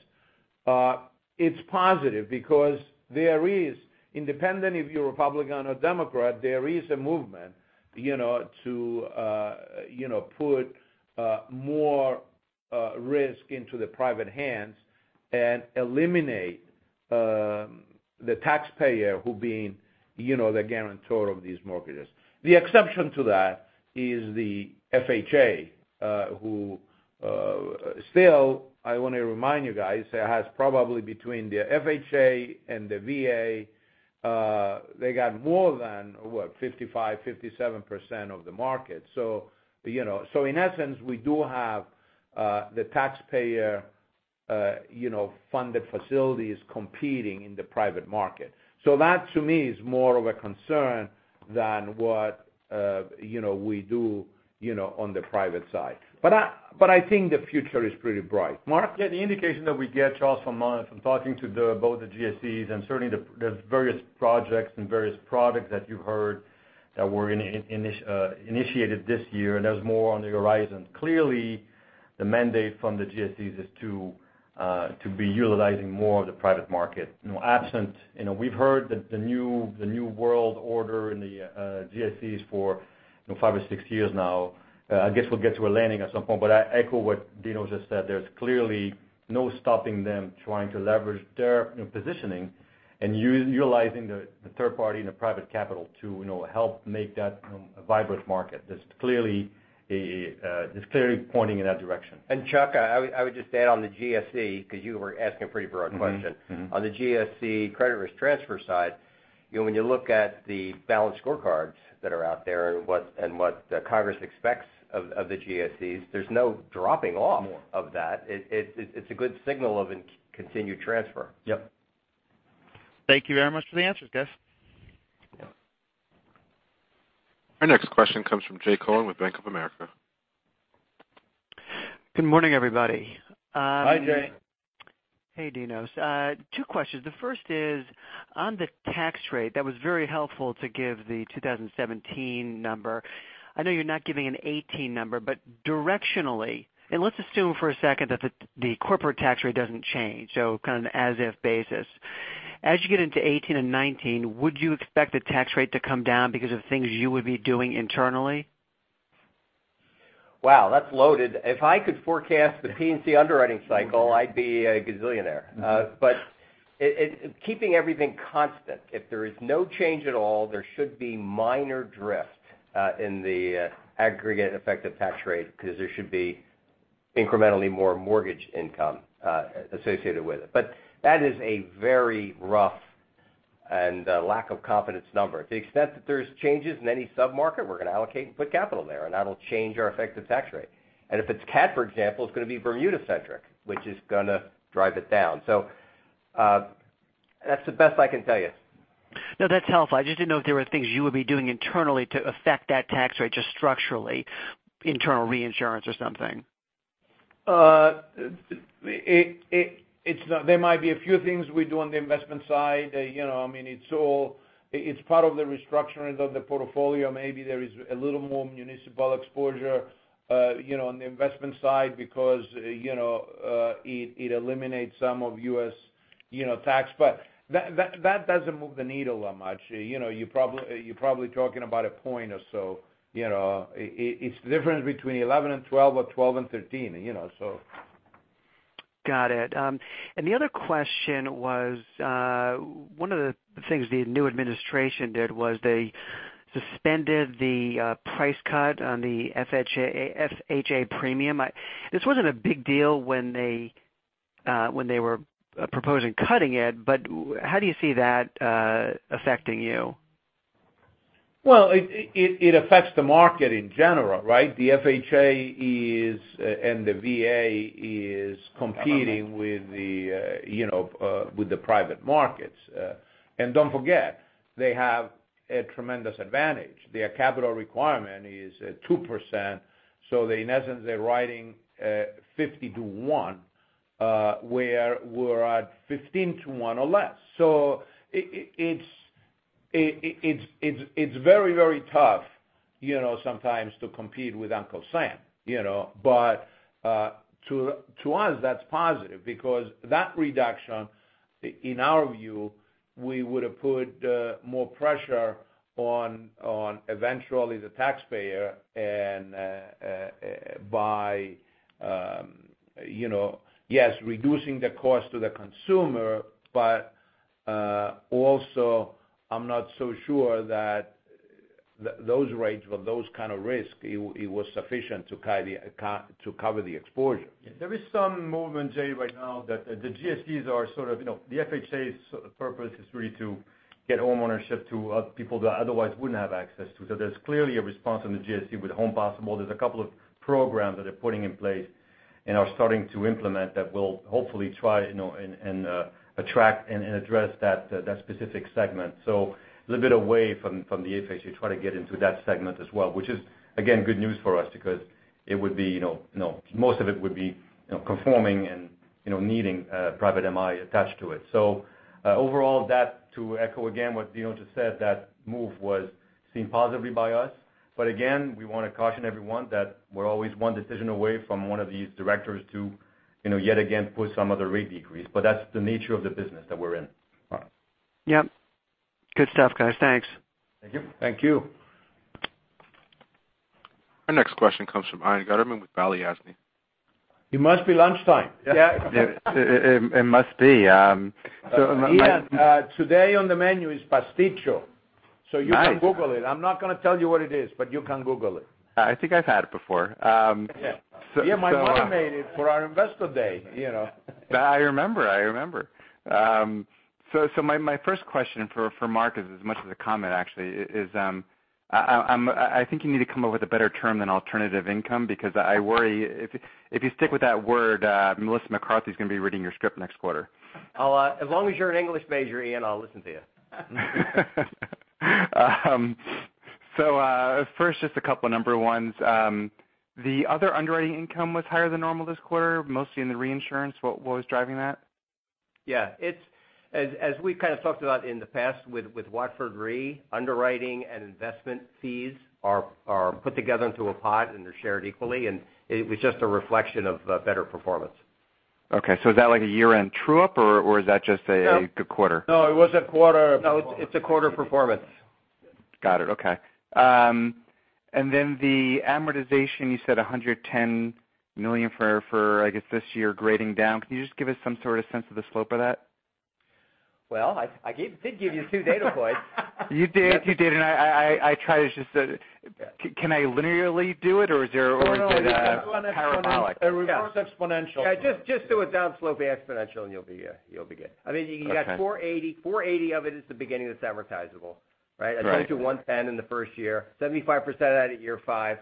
it's positive because there is, independent if you're Republican or Democrat, there is a movement to put more risk into the private hands and eliminate the taxpayer who being the guarantor of these mortgages. The exception to that is the FHA, who still, I want to remind you guys, has probably between the FHA and the VA, they got more than, what, 55%, 57% of the market. In essence, we do have the taxpayer-funded facilities competing in the private market. That, to me, is more of a concern than what we do on the private side. I think the future is pretty bright. Mark? Yeah, the indication that we get, Charles, from talking to both the GSEs and certainly the various projects and various products that you heard that were initiated this year, and there's more on the horizon. Clearly, the mandate from the GSEs is to To be utilizing more of the private market. Absent, we've heard that the new world order in the GSEs for five or six years now, I guess we'll get to a landing at some point. I echo what Dinos just said, there's clearly no stopping them trying to leverage their positioning and utilizing the third party and the private capital to help make that a vibrant market. It's clearly pointing in that direction. Chuck, I would just add on the GSE, because you were asking a pretty broad question. On the GSE credit risk transfer side, when you look at the balance scorecards that are out there and what the Congress expects of the GSEs, there's no dropping off- More of that. It's a good signal of a continued transfer. Yep. Thank you very much for the answers, guys. Yeah. Our next question comes from Jay Cohen with Bank of America. Good morning, everybody. Hi, Jay. Hey, Dinos. Two questions. The first is on the tax rate. That was very helpful to give the 2017 number. I know you're not giving an 2018 number, directionally, and let's assume for a second that the corporate tax rate doesn't change, so kind of an as if basis. As you get into 2018 and 2019, would you expect the tax rate to come down because of things you would be doing internally? Wow, that's loaded. If I could forecast the P&C underwriting cycle, I'd be a gazillionaire. Keeping everything constant, if there is no change at all, there should be minor drift in the aggregate effective tax rate because there should be incrementally more mortgage income associated with it. That is a very rough and lack of confidence number. To the extent that there's changes in any sub-market, we're going to allocate and put capital there, and that'll change our effective tax rate. If it's CAT, for example, it's going to be Bermuda-centric, which is going to drive it down. That's the best I can tell you. No, that's helpful. I just didn't know if there were things you would be doing internally to affect that tax rate, just structurally, internal reinsurance or something. There might be a few things we do on the investment side. It's part of the restructuring of the portfolio. Maybe there is a little more municipal exposure on the investment side because it eliminates some of U.S. tax. That doesn't move the needle that much. You're probably talking about a point or so. It's the difference between 11 and 12 or 12 and 13. Got it. The other question was, one of the things the new administration did was they suspended the price cut on the FHA premium. This wasn't a big deal when they were proposing cutting it. How do you see that affecting you? Well, it affects the market in general, right? The FHA is, and the VA is competing with the private markets. Don't forget, they have a tremendous advantage. Their capital requirement is 2%. In essence, they're writing 50 to one, where we're at 15 to one or less. It's very, very tough sometimes to compete with Uncle Sam. To us, that's positive because that reduction, in our view, we would have put more pressure on eventually the taxpayer and by yes, reducing the cost to the consumer, also I'm not so sure that those rates for those kind of risk, it was sufficient to cover the exposure. There is some movement, Jay, right now that the GSEs are the FHA's purpose is really to get homeownership to people that otherwise wouldn't have access to. There's clearly a response on the GSE with Home Possible. There's a couple of programs that they're putting in place and are starting to implement that will hopefully try and attract and address that specific segment. A little bit away from the FHA to try to get into that segment as well, which is again, good news for us because most of it would be conforming and needing private MI attached to it. Overall, that to echo again what Dinos just said, that move was seen positively by us. Again, we want to caution everyone that we're always one decision away from one of these directors to yet again, put some other rate decrease. That's the nature of the business that we're in. Yep. Good stuff, guys. Thanks. Thank you. Thank you. Our next question comes from Ian Gutterman with Balyasny Asset Management. It must be lunchtime. Yeah. It must be. Ian, today on the menu is pastitsio. Nice. You can Google it. I'm not going to tell you what it is, you can Google it. I think I've had it before. Yeah, my mother made it for our investor day. I remember. My first question for Marc is as much as a comment actually, is I think you need to come up with a better term than alternative income because I worry if you stick with that word, Melissa McCarthy's going to be reading your script next quarter. As long as you're an English major, Ian, I'll listen to you. First, just a couple number 1s. The other underwriting income was higher than normal this quarter, mostly in the reinsurance. What was driving that? As we've kind of talked about in the past with Watford Re, underwriting and investment fees are put together into a pot, and they're shared equally, and it was just a reflection of better performance. Okay. Is that like a year-end true-up or is that just a good quarter? No, it was a quarter performance. No, it's a quarter performance. Got it. Okay. Then the amortization, you said $110 million for, I guess this year, grading down. Can you just give us some sort of sense of the slope of that? Well, I did give you two data points. You did. I try to just Can I linearly do it or is it a parabolic? No, it's a reverse exponential. Yeah, just do a down slope exponential and you'll be good. Okay. You got $480. $480 of it is the beginning that's amortizable. Right? Right. That's going to do $110 in the first year, 75% out at year five.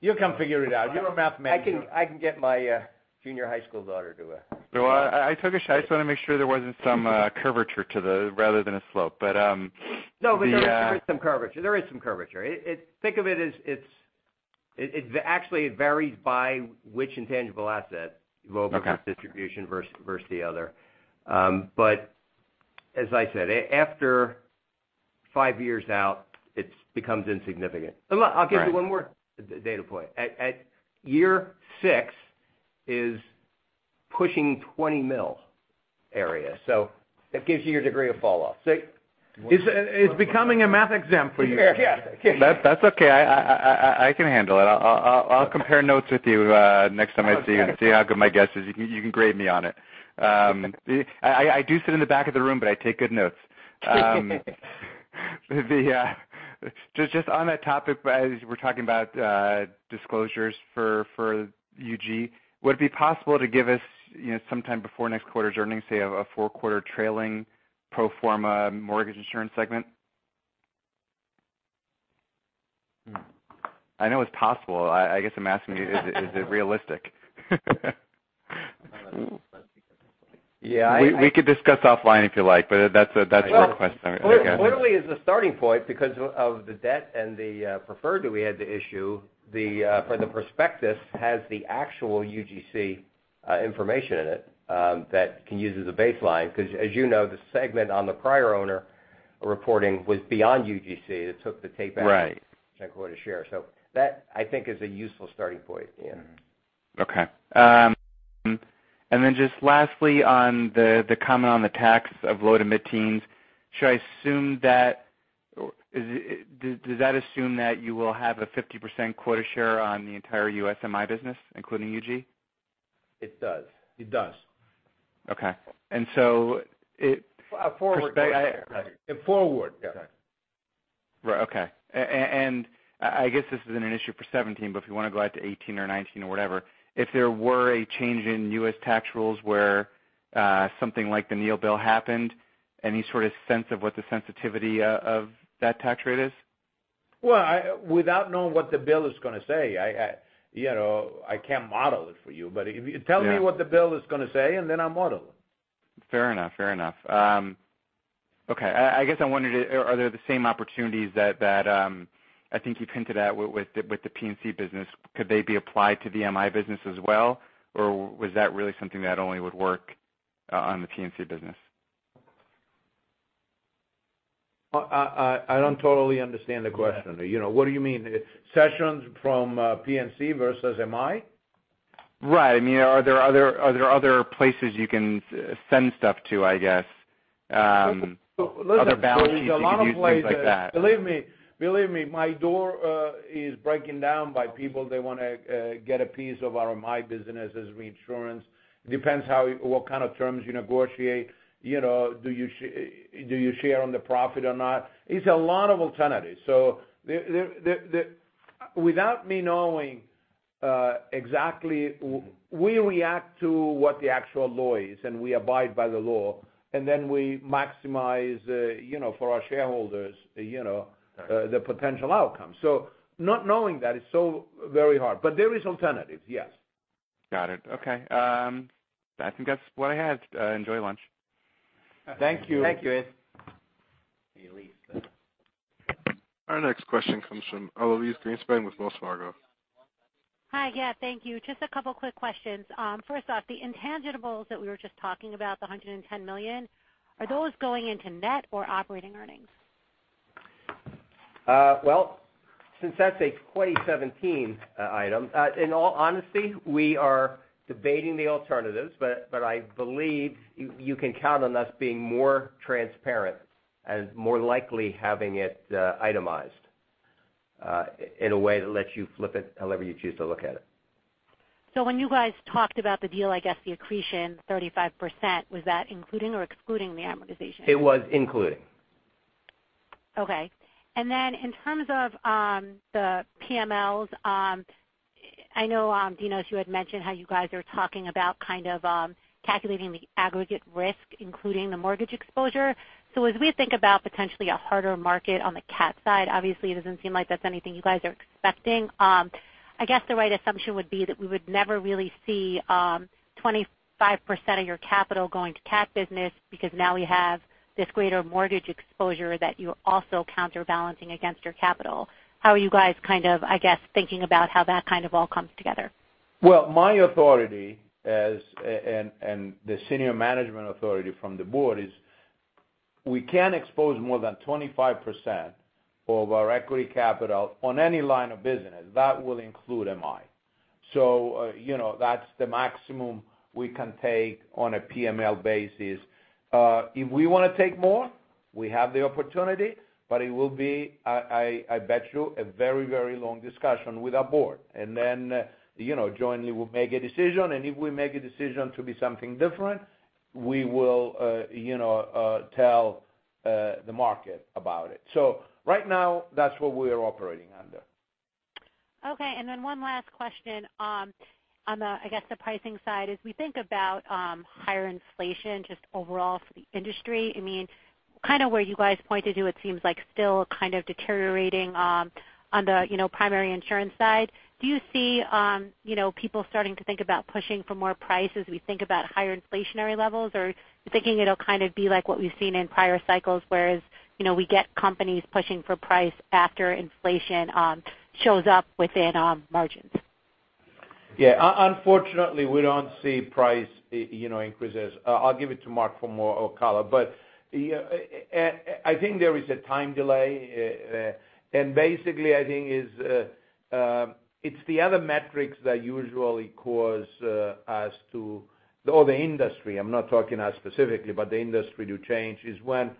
You'll come figure it out. You're a mathematician. I can get my junior high school daughter to do it. Well, I took a shot. I just wanted to make sure there wasn't some curvature to the, rather than a slope. No, there is some curvature. Think of it as it actually varies by which intangible asset. Okay global distribution versus the other. As I said, after five years out, it becomes insignificant. Right. I'll give you one more data point. At year six is pushing $20 million area. That gives you your degree of falloff. It's becoming a math exam for you. Yeah. That's okay. I can handle it. I'll compare notes with you next time I see you and see how good my guess is. You can grade me on it. I do sit in the back of the room, but I take good notes. Just on that topic, as we're talking about disclosures for UG, would it be possible to give us some time before next quarter's earnings, say, a four-quarter trailing pro forma mortgage insurance segment? I know it's possible. I guess I'm asking you, is it realistic? Yeah. We could discuss offline if you like, but that's a request I guess. Literally as a starting point because of the debt and the preferred that we had to issue, for the prospectus has the actual UGC information in it that you can use as a baseline because, as you know, the segment on the prior owner reporting was beyond UGC that took the tape out. Right. 10 quarter share. That I think is a useful starting point. Yeah. Okay. Then just lastly on the comment on the tax of low to mid-teens, should I assume that, does that assume that you will have a 50% quota share on the entire U.S. MI business, including UG? It does. It does. Okay. Forward. Right. Forward. Yeah. Right. Right. Okay. I guess this isn't an issue for 2017, but if you want to go out to 2018 or 2019 or whatever, if there were a change in U.S. tax rules where something like the Neal Bill happened, any sort of sense of what the sensitivity of that tax rate is? Well, without knowing what the bill is going to say, I can't model it for you, but if you tell me what the bill is going to say, and then I'll model it. Fair enough. Okay. I guess I wondered, are there the same opportunities that I think you hinted at with the P&C business, could they be applied to the MI business as well, or was that really something that only would work on the P&C business? I don't totally understand the question. What do you mean? Options from P&C versus MI? Right. Are there other places you can send stuff to, I guess? Other balance sheets you can use, things like that. There's a lot of places. Believe me, my door is breaking down by people. They want to get a piece of our MI business as reinsurance. It depends what kind of terms you negotiate. Do you share on the profit or not? It's a lot of alternatives. Without me knowing exactly, we react to what the actual law is, and we abide by the law, and then we maximize for our shareholders the potential outcome. Not knowing that is so very hard, but there is alternatives, yes. Got it. Okay. I think that's what I had. Enjoy lunch. Thank you. Thank you. Elyse. Our next question comes from Elyse Greenspan with Wells Fargo. Hi. Yeah, thank you. Just a couple quick questions. First off, the intangibles that we were just talking about, the $110 million, are those going into net or operating earnings? Well, since that's a 2017 item, in all honesty, we are debating the alternatives, but I believe you can count on us being more transparent and more likely having it itemized in a way that lets you flip it however you choose to look at it. When you guys talked about the deal, I guess the accretion, 35%, was that including or excluding the amortization? It was including. Okay. In terms of the PMLs, I know, Dinos, you had mentioned how you guys are talking about kind of calculating the aggregate risk, including the mortgage exposure. As we think about potentially a harder market on the cat side, obviously it doesn't seem like that's anything you guys are expecting. I guess the right assumption would be that we would never really see 25% of your capital going to cat business because now we have this greater mortgage exposure that you're also counterbalancing against your capital. How are you guys kind of, I guess, thinking about how that kind of all comes together? Well, my authority as, and the senior management authority from the board is, we can't expose more than 25% of our equity capital on any line of business. That will include MI. That's the maximum we can take on a PML basis. If we want to take more, we have the opportunity, but it will be, I bet you, a very long discussion with our board. Jointly we'll make a decision, and if we make a decision to be something different, we will tell the market about it. Right now, that's what we are operating under. Okay. One last question on the, I guess the pricing side is we think about higher inflation just overall for the industry. Kind of where you guys pointed to, it seems like still kind of deteriorating on the primary insurance side. Do you see people starting to think about pushing for more price as we think about higher inflationary levels, or are you thinking it'll kind of be like what we've seen in prior cycles, whereas we get companies pushing for price after inflation shows up within margins? Yeah. Unfortunately, we don't see price increases. I'll give it to Mark for more color. I think there is a time delay, and basically, I think it's the other metrics that usually cause us to, or the industry, I'm not talking us specifically, but the industry to change is when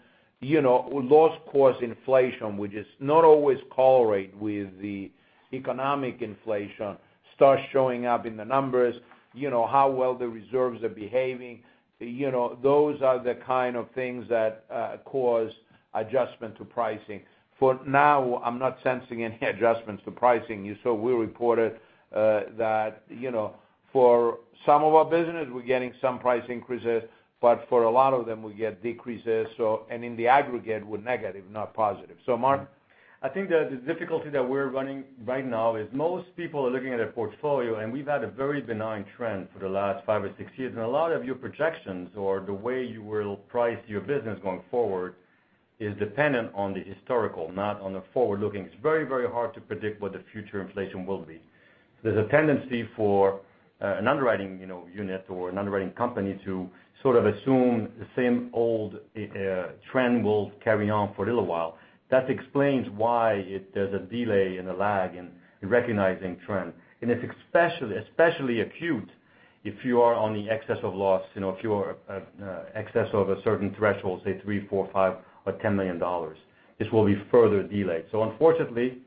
loss cost inflation, which is not always correlate with the economic inflation, starts showing up in the numbers, how well the reserves are behaving. Those are the kind of things that cause adjustment to pricing. For now, I'm not sensing any adjustments to pricing. You saw we reported that for some of our business, we're getting some price increases, but for a lot of them, we get decreases, and in the aggregate, we're negative, not positive. Mark? I think that the difficulty that we're running right now is most people are looking at a portfolio, and we've had a very benign trend for the last five or six years, and a lot of your projections or the way you will price your business going forward is dependent on the historical, not on the forward-looking. It's very hard to predict what the future inflation will be. There's a tendency for an underwriting unit or an underwriting company to sort of assume the same old trend will carry on for a little while. That explains why there's a delay and a lag in recognizing trend. It's especially acute if you are on the excess of loss, if you are excess of a certain threshold, say $3, $4, $5, or $10 million. This will be further delayed. Unfortunately,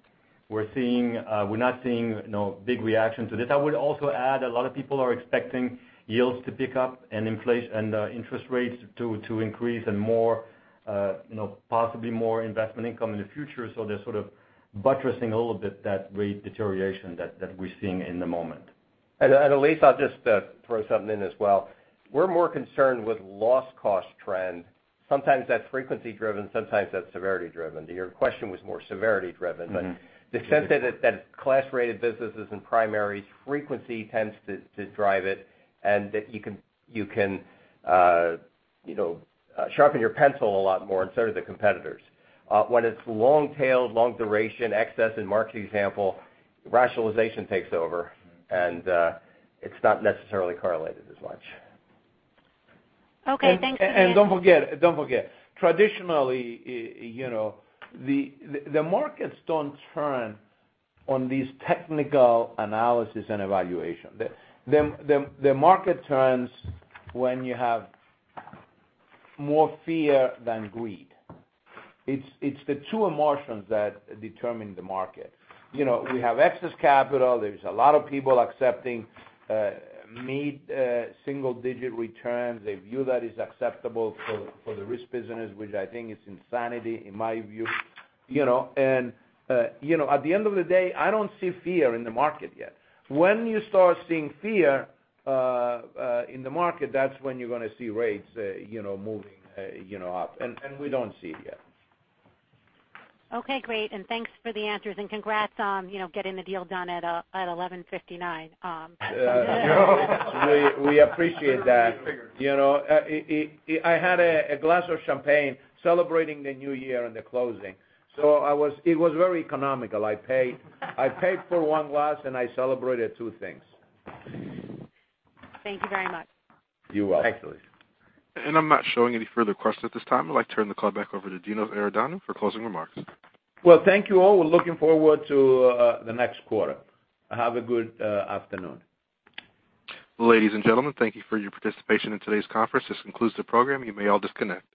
we're not seeing big reaction to this. I would also add a lot of people are expecting yields to pick up and interest rates to increase and possibly more investment income in the future, so they're sort of buttressing a little bit that rate deterioration that we're seeing in the moment. Elyse, I'll just throw something in as well. We're more concerned with loss cost trend. Sometimes that's frequency driven, sometimes that's severity driven. Your question was more severity driven. The sense that class rated businesses and primaries frequency tends to drive it, and that you can sharpen your pencil a lot more and so do the competitors. When it's long-tailed, long duration excess in Marc's example, rationalization takes over, it's not necessarily correlated as much. Okay. Thanks again. Don't forget, traditionally, the markets don't turn on these technical analysis and evaluation. The market turns when you have more fear than greed. It's the two emotions that determine the market. We have excess capital. There's a lot of people accepting mid single digit returns. They view that is acceptable for the risk business, which I think is insanity in my view. At the end of the day, I don't see fear in the market yet. When you start seeing fear in the market, that's when you're going to see rates moving up, and we don't see it yet. Okay, great. Thanks for the answers, and congrats on getting the deal done at 11:59 P.M. We appreciate that. I had a glass of champagne celebrating the new year and the closing, so it was very economical. I paid for one glass, and I celebrated two things. Thank you very much. You're welcome. Thanks, Elyse. I'm not showing any further questions at this time. I'd like to turn the call back over to Dinos Iordanou for closing remarks. Thank you all. We're looking forward to the next quarter. Have a good afternoon. Ladies and gentlemen, thank you for your participation in today's conference. This concludes the program. You may all disconnect.